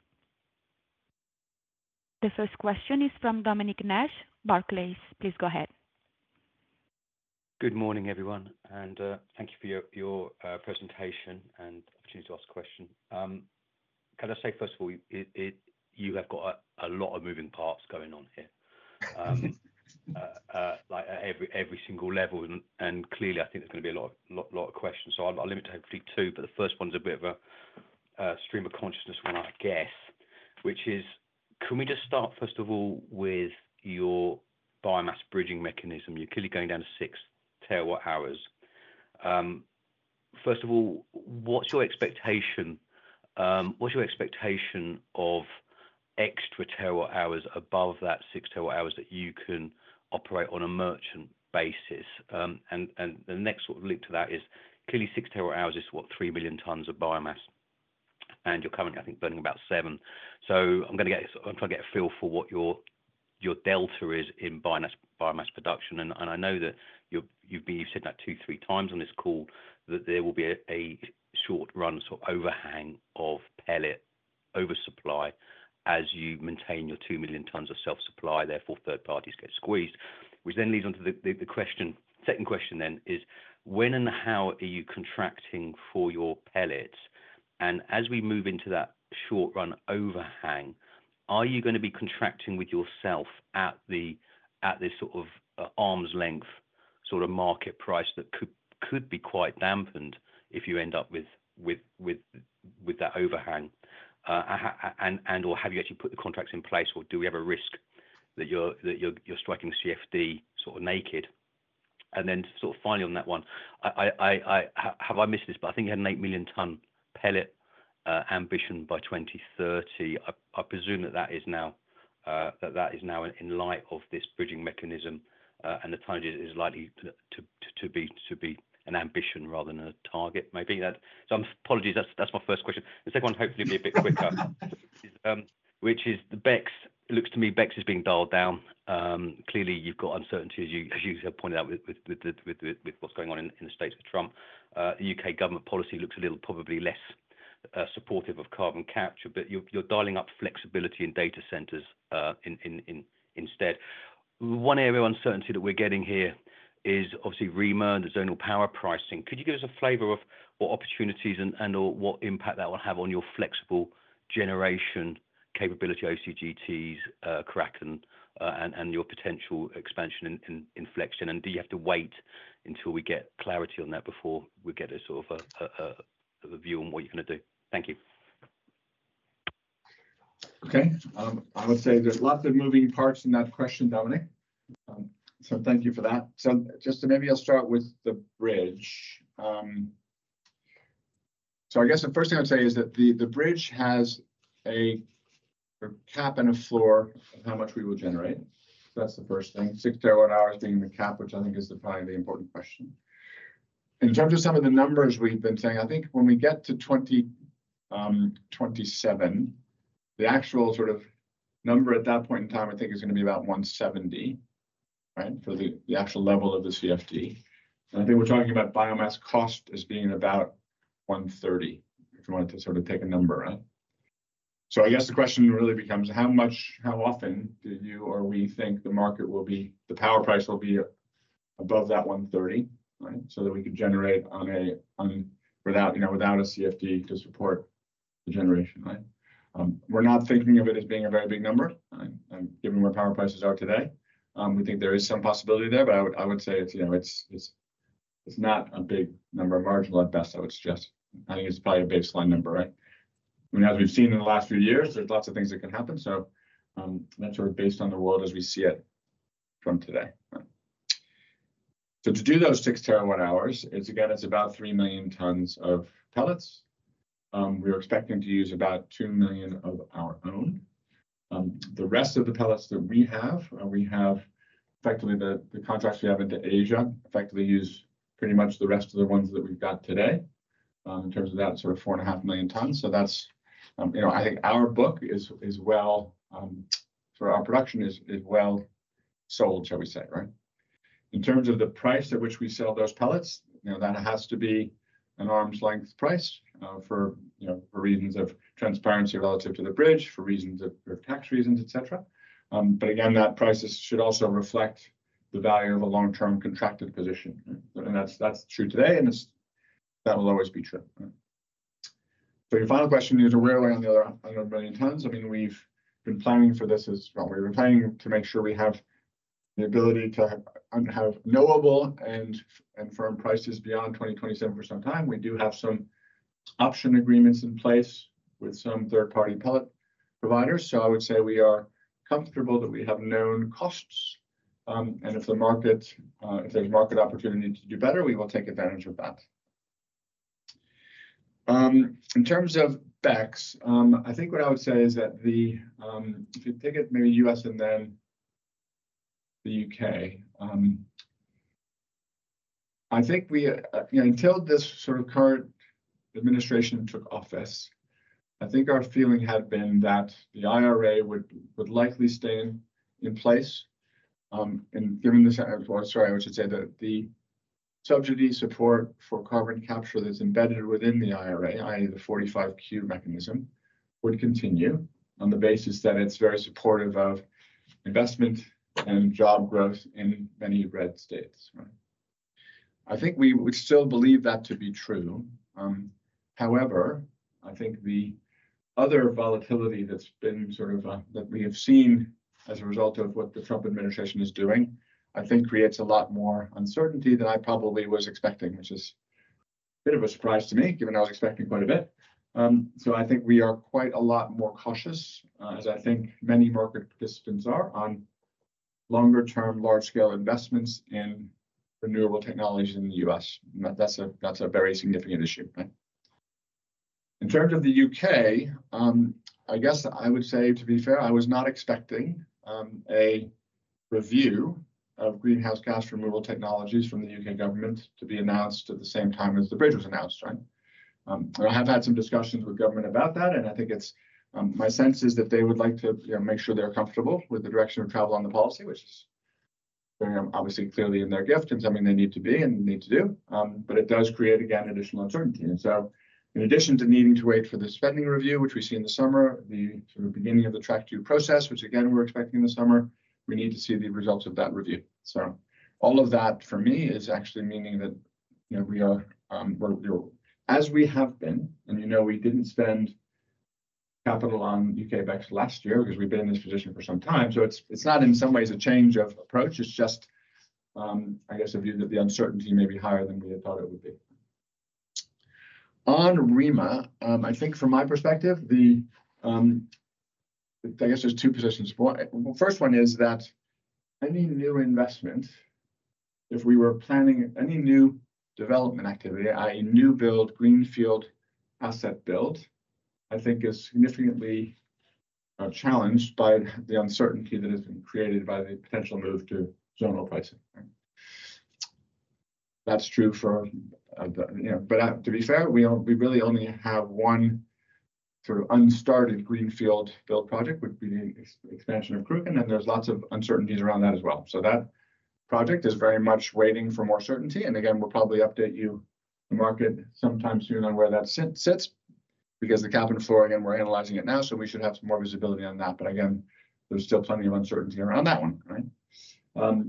The first question is from Dominic Nash, Barclays. Please go ahead. Good morning, everyone, and thank you for your presentation and opportunity to ask a question. Can I say, first of all, you have got a lot of moving parts going on here, like at every single level, and clearly, I think there's going to be a lot of questions. So I'll limit it to hopefully two, but the first one's a bit of a stream of consciousness one, I guess, which is, can we just start, first of all, with your biomass bridging mechanism? You're clearly going down to six terawatt hours. First of all, what's your expectation? What's your expectation of extra terawatt hours above that six terawatt hours that you can operate on a merchant basis? And the next sort of link to that is clearly six terawatt hours is, what, three million tons of biomass? And you're currently, I think, burning about seven. So I'm going to get a feel for what your delta is in biomass production. And I know that you've said that two, three times on this call, that there will be a short-run sort of overhang of pellet oversupply as you maintain your two million tons of self-supply. Therefore, third parties get squeezed, which then leads on to the question. Second question then is, when and how are you contracting for your pellets? And as we move into that short-run overhang, are you going to be contracting with yourself at this sort of arm's-length sort of market price that could be quite dampened if you end up with that overhang? And or have you actually put the contracts in place, or do we have a risk that you're striking CFD sort of naked? And then sort of finally on that one, have I missed this, but I think you had an eight million-ton pellet ambition by 2030. I presume that that is now, that that is now in light of this bridging mechanism and the time is likely to be an ambition rather than a target, maybe. So apologies, that's my first question. The second one hopefully will be a bit quicker, which is the BECCS. It looks to me BECCS is being dialed down. Clearly, you've got uncertainty, as you have pointed out, with what's going on in the States with Trump. The UK government policy looks a little probably less supportive of carbon capture, but you're dialing up flexibility in data centers instead. One area of uncertainty that we're getting here is obviously REMA and the zonal power pricing. Could you give us a flavor of what opportunities and/or what impact that will have on your flexible generation capability, OCGTs, Cruachan, and your potential expansion in FlexGen? And do you have to wait until we get clarity on that before we get a sort of a view on what you're going to do? Thank you. Okay, I would say there's lots of moving parts in that question, Dominic.So thank you for that. So just maybe I'll start with the bridge. So I guess the first thing I'd say is that the bridge has a cap and a floor of how much we will generate. So that's the first thing, six terawatt hours being the cap, which I think is probably the important question. In terms of some of the numbers we've been saying, I think when we get to 2027, the actual sort of number at that point in time, I think, is going to be about 170, right, for the actual level of the CFD. And I think we're talking about biomass cost as being about 130, if you wanted to sort of take a number, right? So I guess the question really becomes, how often do you or we think the market will be the power price will be above that 130, right, so that we could generate without a CFD to support the generation, right? We're not thinking of it as being a very big number, given where power prices are today. We think there is some possibility there, but I would say it's not a big number, marginal at best, I would suggest. I think it's probably a baseline number, right? I mean, as we've seen in the last few years, there's lots of things that can happen. So that's sort of based on the world as we see it from today. So to do those six terawatt hours, again, it's about 3 million tons of pellets. We're expecting to use about 2 million of our own. The rest of the pellets that we have, we have effectively the contracts we have into Asia effectively use pretty much the rest of the ones that we've got today in terms of that sort of 4.5 million tons. So I think our book is well sort of our production is well sold, shall we say, right? In terms of the price at which we sell those pellets, that has to be an arm's-length price for reasons of transparency relative to the bridge, for reasons of tax reasons, etc. But again, that price should also reflect the value of a long-term contracted position. And that's true today, and that will always be true. So your final question is, where are we on the other 100 million tons? I mean, we've been planning for this as well. We've been planning to make sure we have the ability to have knowable and firm prices beyond 2027 for some time. We do have some option agreements in place with some third-party pellet providers, so I would say we are comfortable that we have known costs, and if there's market opportunity to do better, we will take advantage of that. In terms of BECCS, I think what I would say is that if you take it maybe U.S. and then the U.K., I think until this sort of current administration took office, I think our feeling had been that the IRA would likely stay in place, and given this, sorry, I should say that the subsidy support for carbon capture that's embedded within the IRA, i.e., the 45Q mechanism, would continue on the basis that it's very supportive of investment and job growth in many red states, right? I think we would still believe that to be true. However, I think the other volatility that's been sort of that we have seen as a result of what the Trump administration is doing, I think creates a lot more uncertainty than I probably was expecting, which is a bit of a surprise to me, given I was expecting quite a bit. So I think we are quite a lot more cautious, as I think many market participants are, on longer-term large-scale investments in renewable technologies in the U.S. That's a very significant issue, right? In terms of the U.K., I guess I would say, to be fair, I was not expecting a review of greenhouse gas removal technologies from the U.K. government to be announced at the same time as the bridge was announced, right? I have had some discussions with government about that, and I think my sense is that they would like to make sure they're comfortable with the direction of travel on the policy, which is obviously clearly in their gift, and something they need to be and need to do. But it does create, again, additional uncertainty. And so in addition to needing to wait for the Spending Review, which we see in the summer, the beginning of the track due process, which again, we're expecting in the summer, we need to see the results of that review. So all of that for me is actually meaning that we are as we have been, and we didn't spend capital on UK BECCS last year because we've been in this position for some time. So it's not in some ways a change of approach. It's just, I guess, the uncertainty may be higher than we had thought it would be. On REMA, I think from my perspective, I guess there's two positions. The first one is that any new investment, if we were planning any new development activity, i.e., new build, greenfield asset build, I think is significantly challenged by the uncertainty that has been created by the potential move to zonal pricing. That's true for the but to be fair, we really only have one sort of unstarted greenfield build project, which would be the expansion of Cruachan, and there's lots of uncertainties around that as well. So that project is very much waiting for more certainty. And again, we'll probably update you and the market sometime soon on where that sits, because the Cap and Floor, again, we're analyzing it now, so we should have some more visibility on that. But again, there's still plenty of uncertainty around that one, right?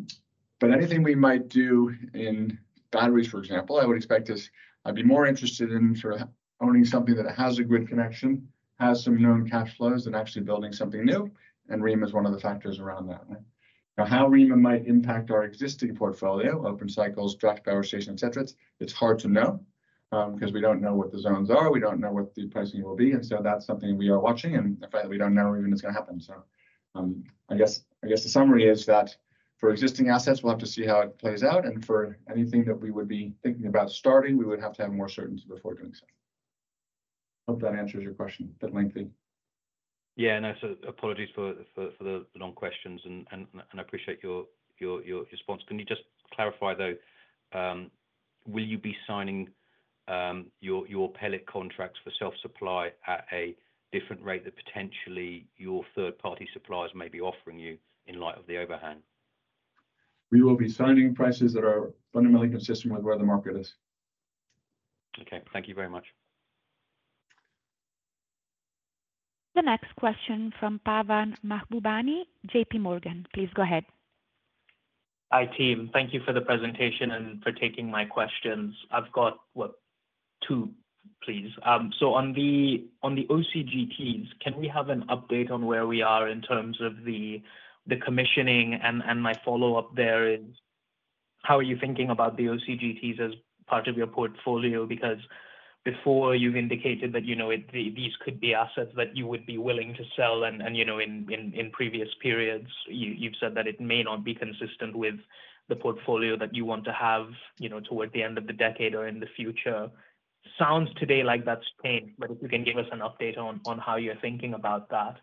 But anything we might do in batteries, for example, I would expect us, I'd be more interested in sort of owning something that has a grid connection, has some known cash flows, and actually building something new. And REMA is one of the factors around that, right? Now, how REMA might impact our existing portfolio, OCGTs, Cruachan Power Station, etc., it's hard to know because we don't know what the zones are. We don't know what the pricing will be. And so that's something we are watching. And in fact, we don't know even it's going to happen. So I guess the summary is that for existing assets, we'll have to see how it plays out. And for anything that we would be thinking about starting, we would have to have more certainty before doing so. Hope that answers your question, but lengthy. Yeah. And apologies for the long questions, and I appreciate your response. Can you just clarify, though, will you be signing your pellet contracts for self-supply at a different rate that potentially your third-party suppliers may be offering you in light of the overhang? We will be signing prices that are fundamentally consistent with where the market is. Okay. Thank you very much. The next question from Pavan Mahbubani, J.P. Morgan. Please go ahead. Hi, team. Thank you for the presentation and for taking my questions. I've got two, please. So on the OCGTs, can we have an update on where we are in terms of the commissioning? And my follow-up there is, how are you thinking about the OCGTs as part of your portfolio? Because before, you've indicated that these could be assets that you would be willing to sell. And in previous periods, you've said that it may not be consistent with the portfolio that you want to have toward the end of the decade or in the future. Sounds today like that's changed, but if you can give us an update on how you're thinking about that.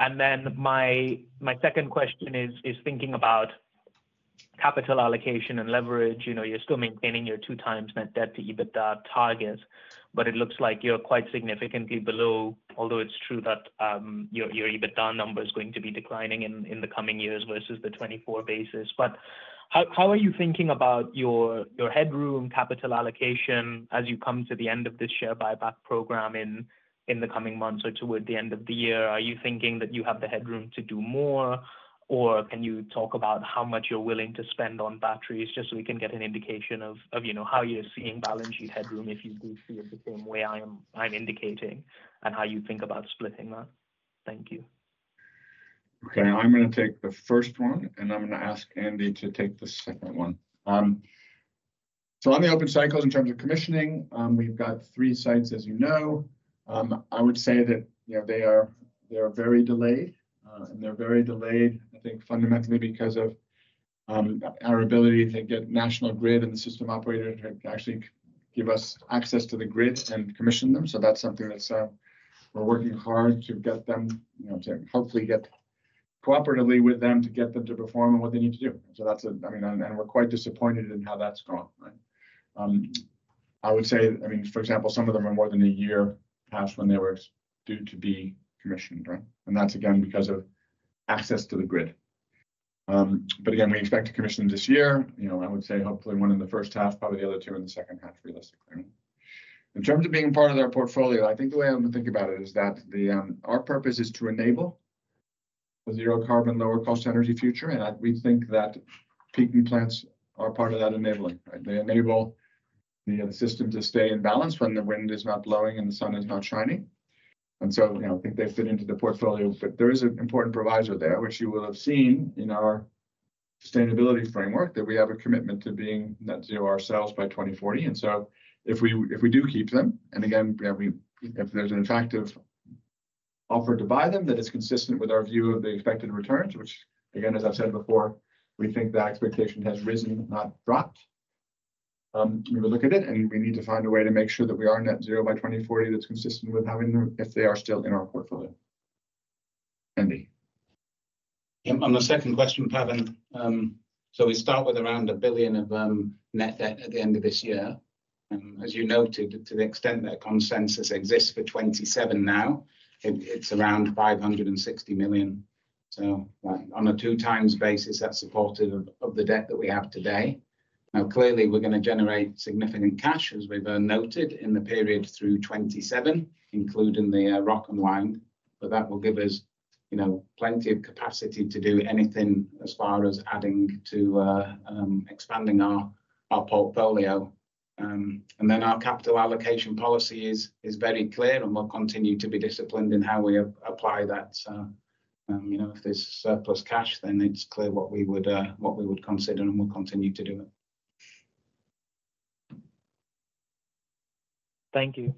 And then my second question is thinking about capital allocation and leverage. You're still maintaining your two times net debt to EBITDA targets, but it looks like you're quite significantly below, although it's true that your EBITDA number is going to be declining in the coming years versus the 2024 basis. But how are you thinking about your headroom, capital allocation as you come to the end of this share buyback program in the coming months or toward the end of the year? Are you thinking that you have the headroom to do more, or can you talk about how much you're willing to spend on batteries just so we can get an indication of how you're seeing balance sheet headroom if you do see it the same way I'm indicating and how you think about splitting that? Thank you. Okay. I'm going to take the first one, and I'm going to ask Andy to take the second one. So on the open cycles in terms of commissioning, we've got three sites, as you know. I would say that they are very delayed, and they're very delayed, I think, fundamentally because of our ability to get National Grid and system operators to actually give us access to the grid and commission them. So that's something that we're working hard to get them to hopefully get cooperatively with them to get them to perform on what they need to do. So that's a, I mean, and we're quite disappointed in how that's gone, right? I would say, I mean, for example, some of them are more than a year past when they were due to be commissioned, right? And that's again because of access to the grid. But again, we expect to commission this year. I would say hopefully one in the first half, probably the other two in the second half, realistically. In terms of being part of their portfolio, I think the way I'm going to think about it is that our purpose is to enable a zero-carbon, lower-cost energy future. And we think that peaking plants are part of that enabling, right? They enable the system to stay in balance when the wind is not blowing and the sun is not shining. And so I think they fit into the portfolio. But there is an important proviso there, which you will have seen in our sustainability framework, that we have a commitment to being net zero ourselves by 2040. And so if we do keep them, and again, if there's an attractive offer to buy them that is consistent with our view of the expected returns, which again, as I've said before, we think the expectation has risen, not dropped, we would look at it, and we need to find a way to make sure that we are net zero by 2040 that's consistent with having them if they are still in our portfolio. Andy. On the second question, Pavan, so we start with around 1 billion of net debt at the end of this year. As you noted, to the extent that consensus exists for 27 now, it's around 560 million. So on a two-times basis, that's supportive of the debt that we have today. Now, clearly, we're going to generate significant cash, as we've noted, in the period through 27, including the ROC and wind. But that will give us plenty of capacity to do anything as far as adding to expanding our portfolio. And then our capital allocation policy is very clear, and we'll continue to be disciplined in how we apply that. If there's surplus cash, then it's clear what we would consider and we'll continue to do it. Thank you.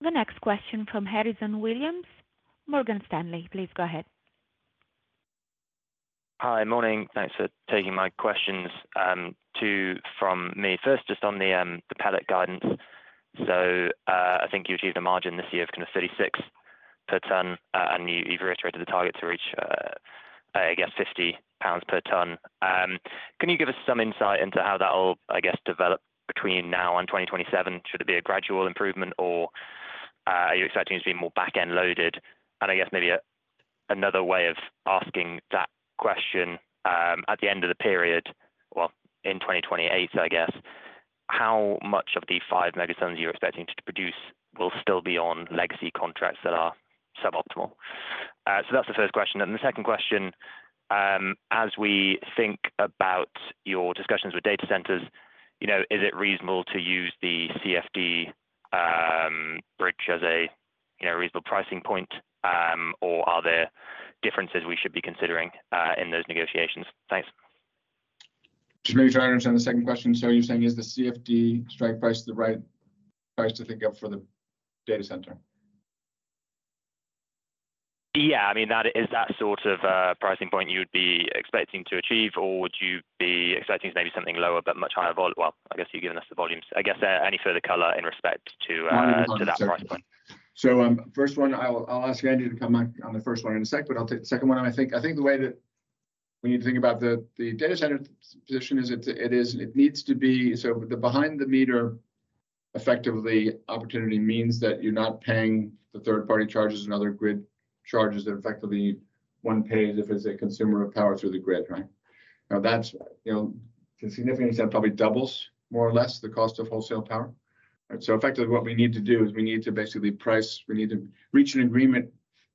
The next question from Harrison Williams. Morgan Stanley, please go ahead. Hi, morning. Thanks for taking my questions too from me. First, just on the pellet guidance. So I think you achieved a margin this year of kind of 36 per ton, and you've reiterated the target to reach, I guess, 50 pounds per ton. Can you give us some insight into how that will, I guess, develop between now and 2027? Should it be a gradual improvement, or are you expecting it to be more back-end loaded? And I guess maybe another way of asking that question at the end of the period, well, in 2028, I guess, how much of the five megatons you're expecting to produce will still be on legacy contracts that are suboptimal? So that's the first question. The second question, as we think about your discussions with data centers, is it reasonable to use the CFD bridge as a reasonable pricing point, or are there differences we should be considering in those negotiations? Thanks. Just maybe to understand the second question, so you're saying is the CFD strike price the right price to think of for the data center? Yeah. I mean, is that sort of pricing point you would be expecting to achieve, or would you be expecting maybe something lower but much higher volume? Well, I guess you've given us the volumes. I guess any further color in respect to that price point? First one, I'll ask Andy to come back on the first one in a sec, but I'll take the second one. I think the way that we need to think about the data center position is it needs to be so the behind-the-meter effectively opportunity means that you're not paying the third-party charges and other grid charges that effectively one pays if it's a consumer of power through the grid, right? Now, that to a significant extent probably doubles more or less the cost of wholesale power. So effectively, what we need to do is we need to basically price, we need to reach an agreement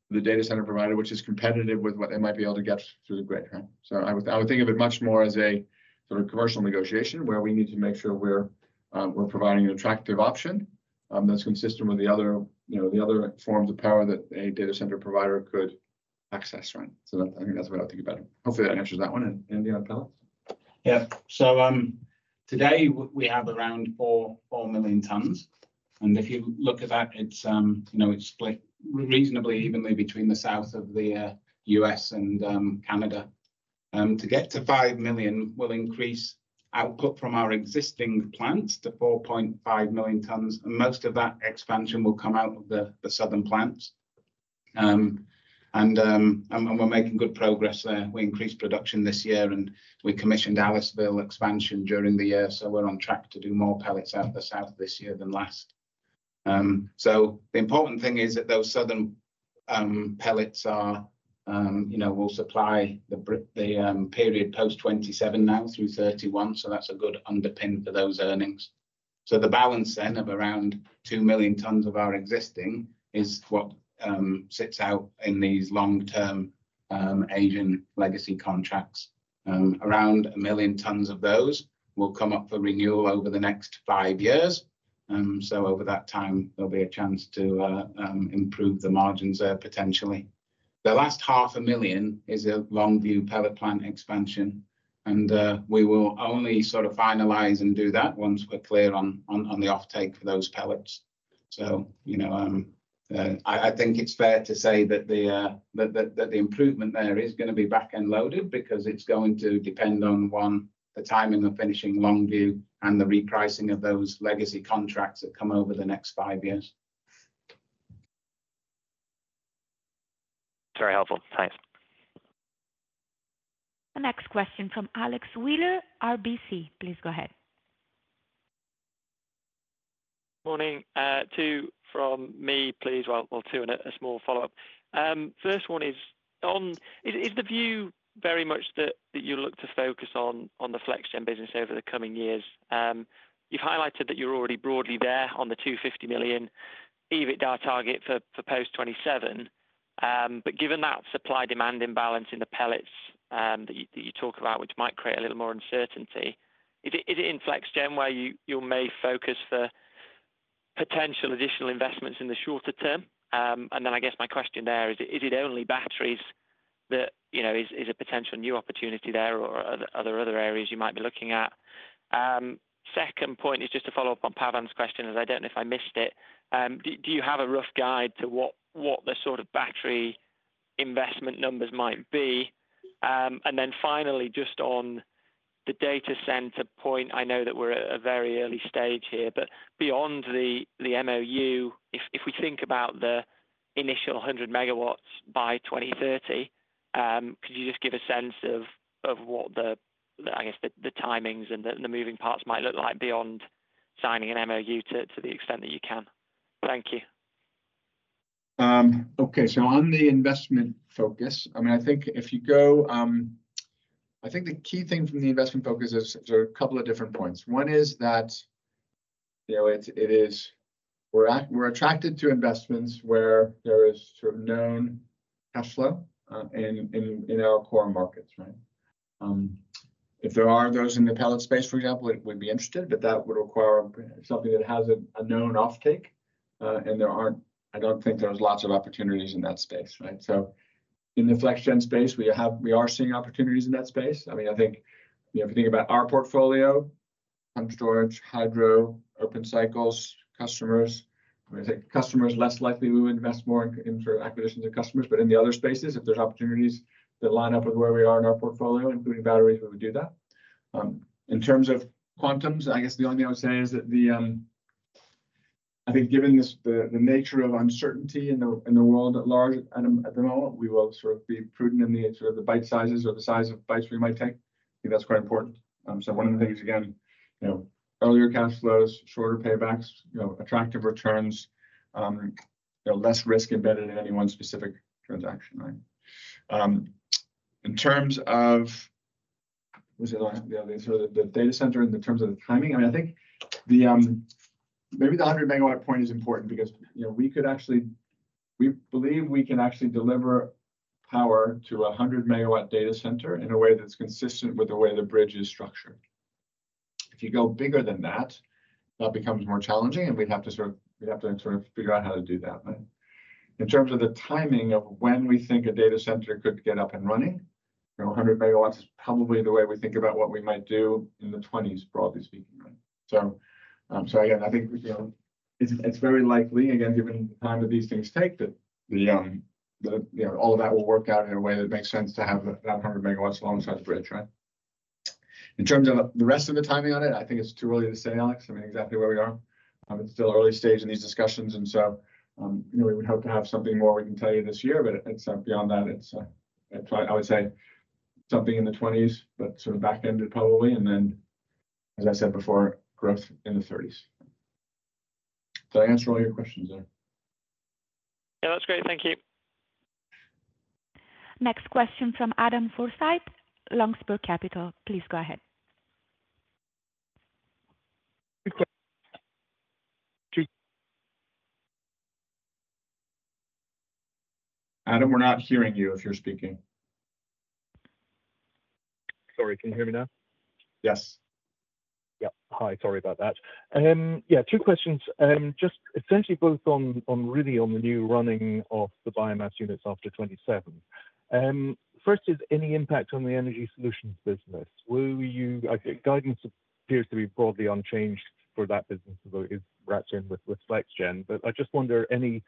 with the data center provider, which is competitive with what they might be able to get through the grid, right? So I would think of it much more as a sort of commercial negotiation where we need to make sure we're providing an attractive option that's consistent with the other forms of power that a data center provider could access, right? I think that's the way I think about it. Hopefully, that answers that one. Andy, I'll tell it. Yeah. So today, we have around four million tons. And if you look at that, it's split reasonably evenly between the south of the U.S. and Canada. To get to five million, we'll increase output from our existing plants to 4.5 million tons. And most of that expansion will come out of the southern plants. And we're making good progress there. We increased production this year, and we commissioned Aliceville expansion during the year. So we're on track to do more pellets out of the south this year than last. So the important thing is that those southern pellets will supply the period post 2027 now through 2031. So that's a good underpin for those earnings. So the balance then of around 2 million tons of our existing is what sits out in these long-term Asian legacy contracts. Around a million tons of those will come up for renewal over the next five years. So over that time, there'll be a chance to improve the margins there, potentially. The last 500,000 is a Longview pellet plant expansion. And we will only sort of finalize and do that once we're clear on the offtake for those pellets. So I think it's fair to say that the improvement there is going to be back-end loaded because it's going to depend on, one, the timing of finishing Longview and the repricing of those legacy contracts that come over the next five years. Very helpful. Thanks. The next question from Alex Wheeler, RBC. Please go ahead. Morning. Two from me, please. Well, two and a small follow up. First one is, is the view very much that you look to focus on the FlexGen business over the coming years? You've highlighted that you're already broadly there on the 250 million EBITDA target for post 2027. But given that supply-demand imbalance in the pellets that you talk about, which might create a little more uncertainty, is it in FlexGen where you may focus for potential additional investments in the shorter term? And then I guess my question there is, is it only batteries that is a potential new opportunity there, or are there other areas you might be looking at? Second point is just to follow up on Pavan's question, as I don't know if I missed it. Do you have a rough guide to what the sort of battery investment numbers might be? And then finally, just on the data center point, I know that we're at a very early stage here, but beyond the MoU, if we think about the initial 100 megawatts by 2030, could you just give a sense of what the, I guess, the timings and the moving parts might look like beyond signing an MoU to the extent that you can? Thank you. Okay. So on the investment focus, I mean, I think if you go, I think the key thing from the investment focus is there are a couple of different points. One is that it is we're attracted to investments where there is sort of known cash flow in our core markets, right? If there are those in the pellet space, for example, we'd be interested, but that would require something that has a known offtake, and I don't think there's lots of opportunities in that space, right? So in the FlexGen space, we are seeing opportunities in that space. I mean, I think if you think about our portfolio, pumped storage, hydro, open cycles, customers, I mean, I think customers less likely we would invest more in sort of acquisitions of customers. But in the other spaces, if there's opportunities that line up with where we are in our portfolio, including batteries, we would do that. In terms of quantums, I guess the only thing I would say is that I think given the nature of uncertainty in the world at large at the moment, we will sort of be prudent in the sort of the bite sizes or the size of bites we might take. I think that's quite important. So one of the things, again, earlier cash flows, shorter paybacks, attractive returns, less risk embedded in any one specific transaction, right? In terms of, what was the other one? The data center in terms of the timing. I mean, I think maybe the 100 megawatt point is important because we could actually, we believe we can actually deliver power to a 100 megawatt data center in a way that's consistent with the way the bridge is structured. If you go bigger than that, that becomes more challenging, and we'd have to sort of figure out how to do that, right? In terms of the timing of when we think a data center could get up and running, 100 megawatts is probably the way we think about what we might do in the '20s, broadly speaking, right? So again, I think it's very likely, again, given the time that these things take, that all of that will work out in a way that makes sense to have that 100 megawatts long side bridge, right? In terms of the rest of the timing on it, I think it's too early to say, Alex. I mean, exactly where we are. It's still early stage in these discussions. And so we would hope to have something more we can tell you this year, but beyond that, I would say something in the 2020s, but sort of back-ended probably. And then, as I said before, growth in the 2030s. Did I answer all your questions there? Yeah, that's great. Thank you. Next question from Adam Forsyth, Longspur Capital. Please go ahead. Adam, we're not hearing you if you're speaking. Sorry, can you hear me now? Yes. Yep. Hi. Sorry about that. Yeah, two questions. Just essentially both really on the new running of the biomass units after 2027. First is any impact on the energy solutions business? Guidance appears to be broadly unchanged for that business as it is wrapped in with FlexGen. But I just wonder any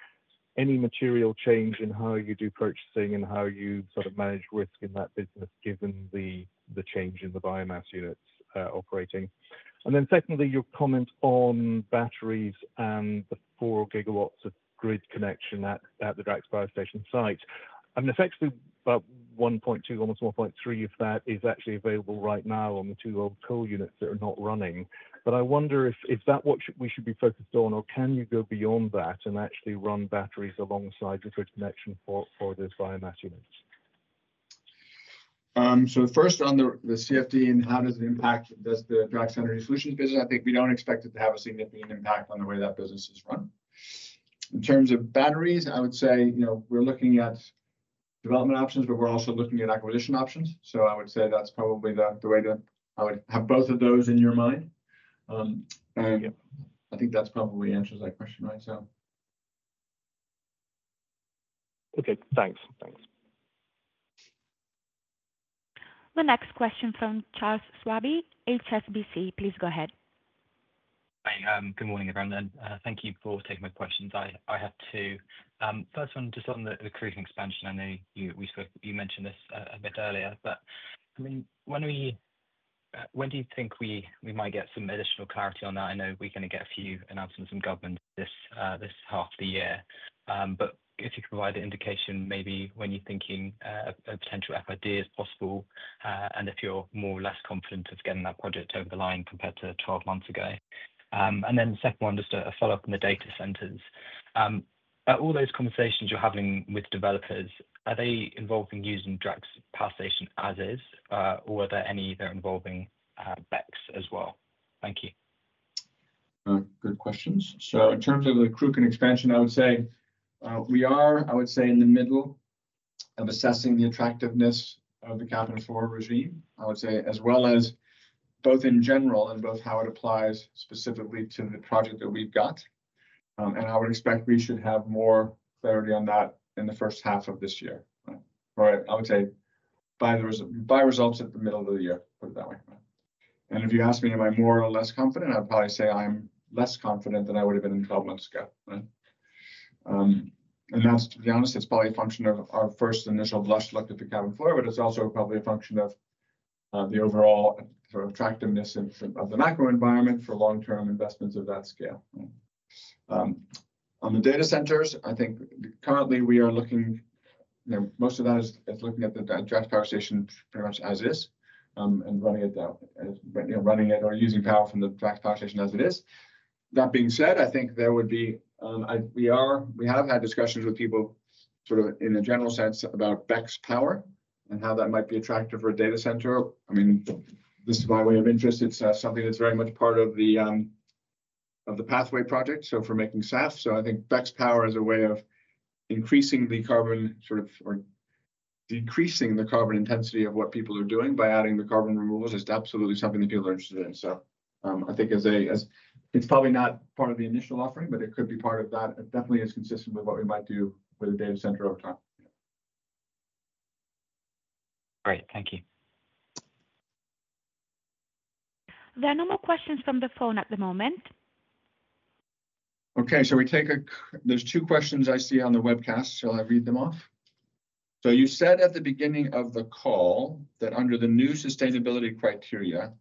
material change in how you do purchasing and how you sort of manage risk in that business given the change in the biomass units operating? And then secondly, your comment on batteries and the four gigawatts of grid connection at the Drax Power Station site. I mean, effectively, about 1.2, almost 1.3 of that is actually available right now on the two old coal units that are not running. But I wonder if that's what we should be focused on, or can you go beyond that and actually run batteries alongside the grid connection for those biomass units? So first, on the CFD and how does it impact the Drax Energy Solutions business. I think we don't expect it to have a significant impact on the way that business is run. In terms of batteries, I would say we're looking at development options, but we're also looking at acquisition options. So I would say that's probably the way to have both of those in your mind. And I think that probably answers that question, right? So. Okay. Thanks. Thanks. The next question from Charles Swaby, HSBC. Please go ahead. Hi. Good morning, everyone. And thank you for taking my questions. I have two. First one, just on the Cruachan expansion. I know you mentioned this a bit earlier, but I mean, when do you think we might get some additional clarity on that? I know we're going to get a few announcements from government this half of the year. But if you could provide an indication, maybe when you're thinking a potential FID is possible and if you're more or less confident of getting that project over the line compared to 12 months ago? And then the second one is a follow-up on the data centers. All those conversations you're having with developers, are they involving using Drax Power Station as is, or are there any that are involving BECCS as well? Thank you. Good questions. So in terms of the Cruachan expansion, I would say we are, I would say, in the middle of assessing the attractiveness of the Cap-and-Floor regime, I would say, as well as both in general and both how it applies specifically to the project that we've got. And I would expect we should have more clarity on that in the first half of this year, right? I would say by results at the middle of the year, put it that way. If you ask me, am I more or less confident, I'd probably say I'm less confident than I would have been 12 months ago, right? To be honest, it's probably a function of our first initial blush look Cap and Floor, but it's also probably a function of the overall attractiveness of the macro environment for long-term investments of that scale. On the data centers, I think currently we are looking most of that is looking at the Drax Power Station pretty much as is and running it or using power from the Drax Power Station as it is. That being said, I think there would be we have had discussions with people sort of in a general sense about BECCS power and how that might be attractive for a data center. I mean, this is my area of interest. It's something that's very much part of the Pathway Project, so for making SAF. So I think BECCS power is a way of increasing the carbon sort of or decreasing the carbon intensity of what people are doing by adding the carbon removals is absolutely something that people are interested in. So I think it's probably not part of the initial offering, but it could be part of that. It definitely is consistent with what we might do with a data center over time. Great. Thank you. There are no more questions from the phone at the moment. Okay. So there's two questions I see on the webcast, so I'll read them off. So you said at the beginning of the call that under the new sustainability criteria,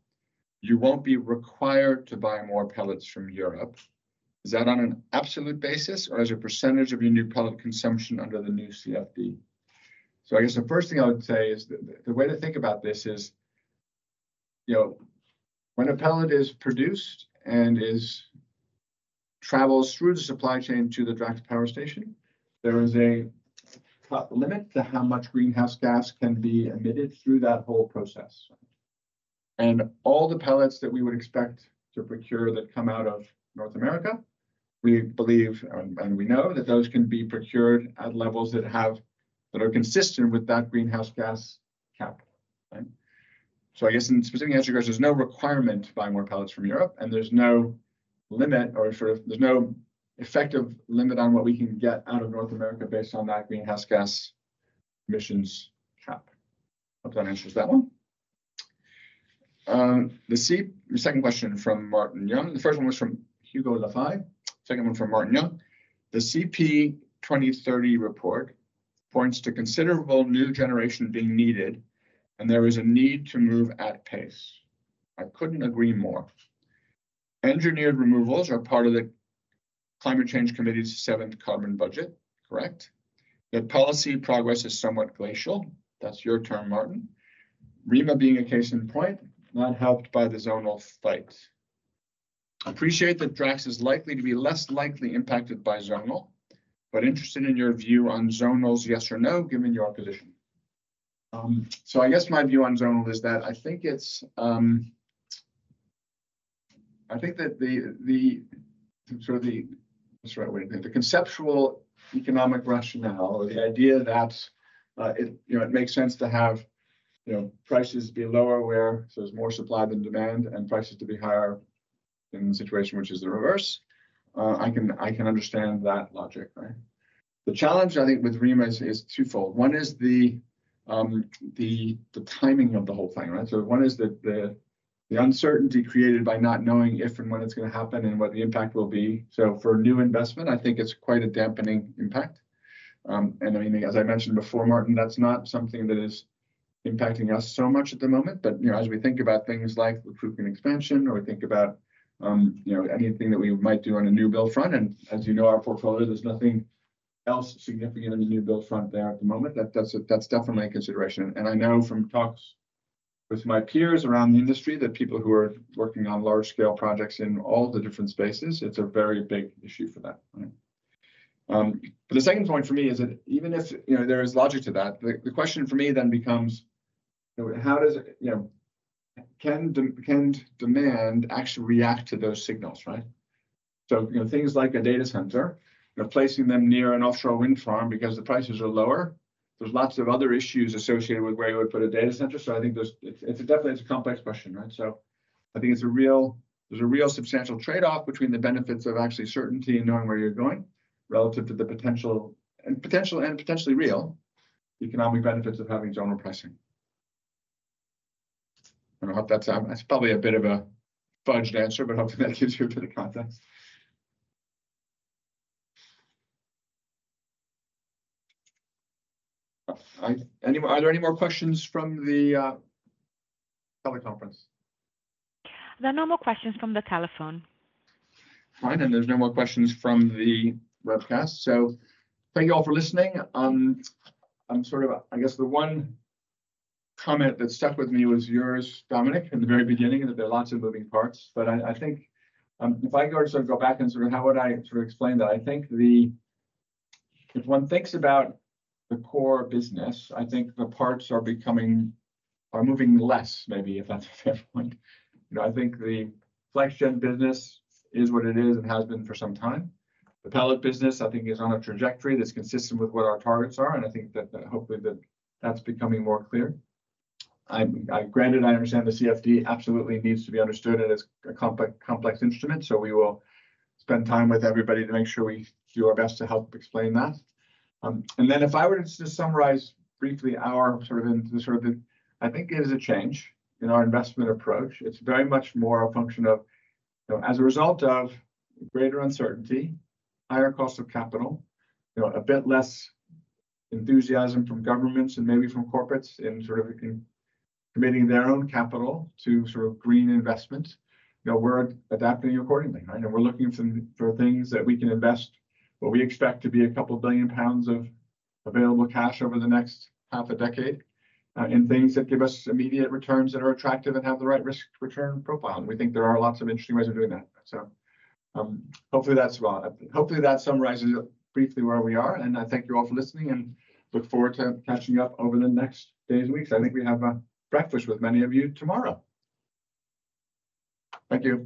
you won't be required to buy more pellets from Europe. Is that on an absolute basis or as a percentage of your new pellet consumption under the new CFD? So I guess the first thing I would say is the way to think about this is when a pellet is produced and travels through the supply chain to the Drax Power Station, there is a limit to how much greenhouse gas can be emitted through that whole process. And all the pellets that we would expect to procure that come out of North America, we believe and we know that those can be procured at levels that are consistent with that greenhouse gas cap, right? So I guess in specific answer to your question, there's no requirement to buy more pellets from Europe, and there's no limit or sort of there's no effective limit on what we can get out of North America based on that greenhouse gas emissions cap. Hope that answers that one. The second question from Martin Young. The first one was from Hugo Lafaye. Second one from Martin Young. The CP 2030 report points to considerable new generation being needed, and there is a need to move at pace. I couldn't agree more. Engineered removals are part of the Climate Change Committee's Seventh Carbon Budget, correct? The policy progress is somewhat glacial. That's your term, Martin. REMA being a case in point, not helped by the zonal fight. I appreciate that Drax is likely to be less likely impacted by zonal, but interested in your view on zonal's yes or no given your position. So I guess my view on zonal is that I think it's. I think that the sort of, what's the right way to put it? The conceptual economic rationale or the idea that it makes sense to have prices be lower where there's more supply than demand and prices to be higher in the situation which is the reverse. I can understand that logic, right? The challenge, I think, with REMA is twofold. One is the timing of the whole thing, right? So one is the uncertainty created by not knowing if and when it's going to happen and what the impact will be. So for new investment, I think it's quite a dampening impact. And I mean, as I mentioned before, Martin, that's not something that is impacting us so much at the moment. But as we think about things like the Cruachan expansion or we think about anything that we might do on a new build front, and as you know, our portfolio, there's nothing else significant in the new build front there at the moment. That's definitely a consideration, and I know from talks with my peers around the industry that people who are working on large-scale projects in all the different spaces, it's a very big issue for them, right? But the second point for me is that even if there is logic to that, the question for me then becomes, how can demand actually react to those signals, right, so things like a data center, placing them near an offshore wind farm because the prices are lower, there's lots of other issues associated with where you would put a data center. So I think it's definitely a complex question, right? So I think there's a real substantial trade-off between the benefits of actually certainty and knowing where you're going relative to the potential and potentially real economic benefits of having zonal pricing. And I hope that's probably a bit of a fudged answer, but hopefully that gives you a bit of context. Are there any more questions from the teleconference? There are no more questions from the teleconference. All right. And there's no more questions from the webcast. So thank you all for listening. I guess the one comment that stuck with me was yours, Dominic, in the very beginning, that there are lots of moving parts. But I think if I were to sort of go back and sort of how would I sort of explain that? I think if one thinks about the core business, I think the parts are moving less, maybe, if that's a fair point. I think the FlexGen business is what it is and has been for some time. The pellet business, I think, is on a trajectory that's consistent with what our targets are. And I think that hopefully that's becoming more clear. Granted, I understand the CFD absolutely needs to be understood as a complex instrument. So we will spend time with everybody to make sure we do our best to help explain that. And then if I were to just summarize briefly our sort of the I think it is a change in our investment approach. It's very much more a function of, as a result of greater uncertainty, higher cost of capital, a bit less enthusiasm from governments and maybe from corporates in sort of committing their own capital to sort of green investment, we're adapting accordingly, right? And we're looking for things that we can invest what we expect to be 2 billion pounds of available cash over the next half a decade in things that give us immediate returns that are attractive and have the right risk-return profile. And we think there are lots of interesting ways of doing that. So hopefully that summarizes briefly where we are. And I thank you all for listening and look forward to catching up over the next days and weeks. I think we have breakfast with many of you tomorrow. Thank you.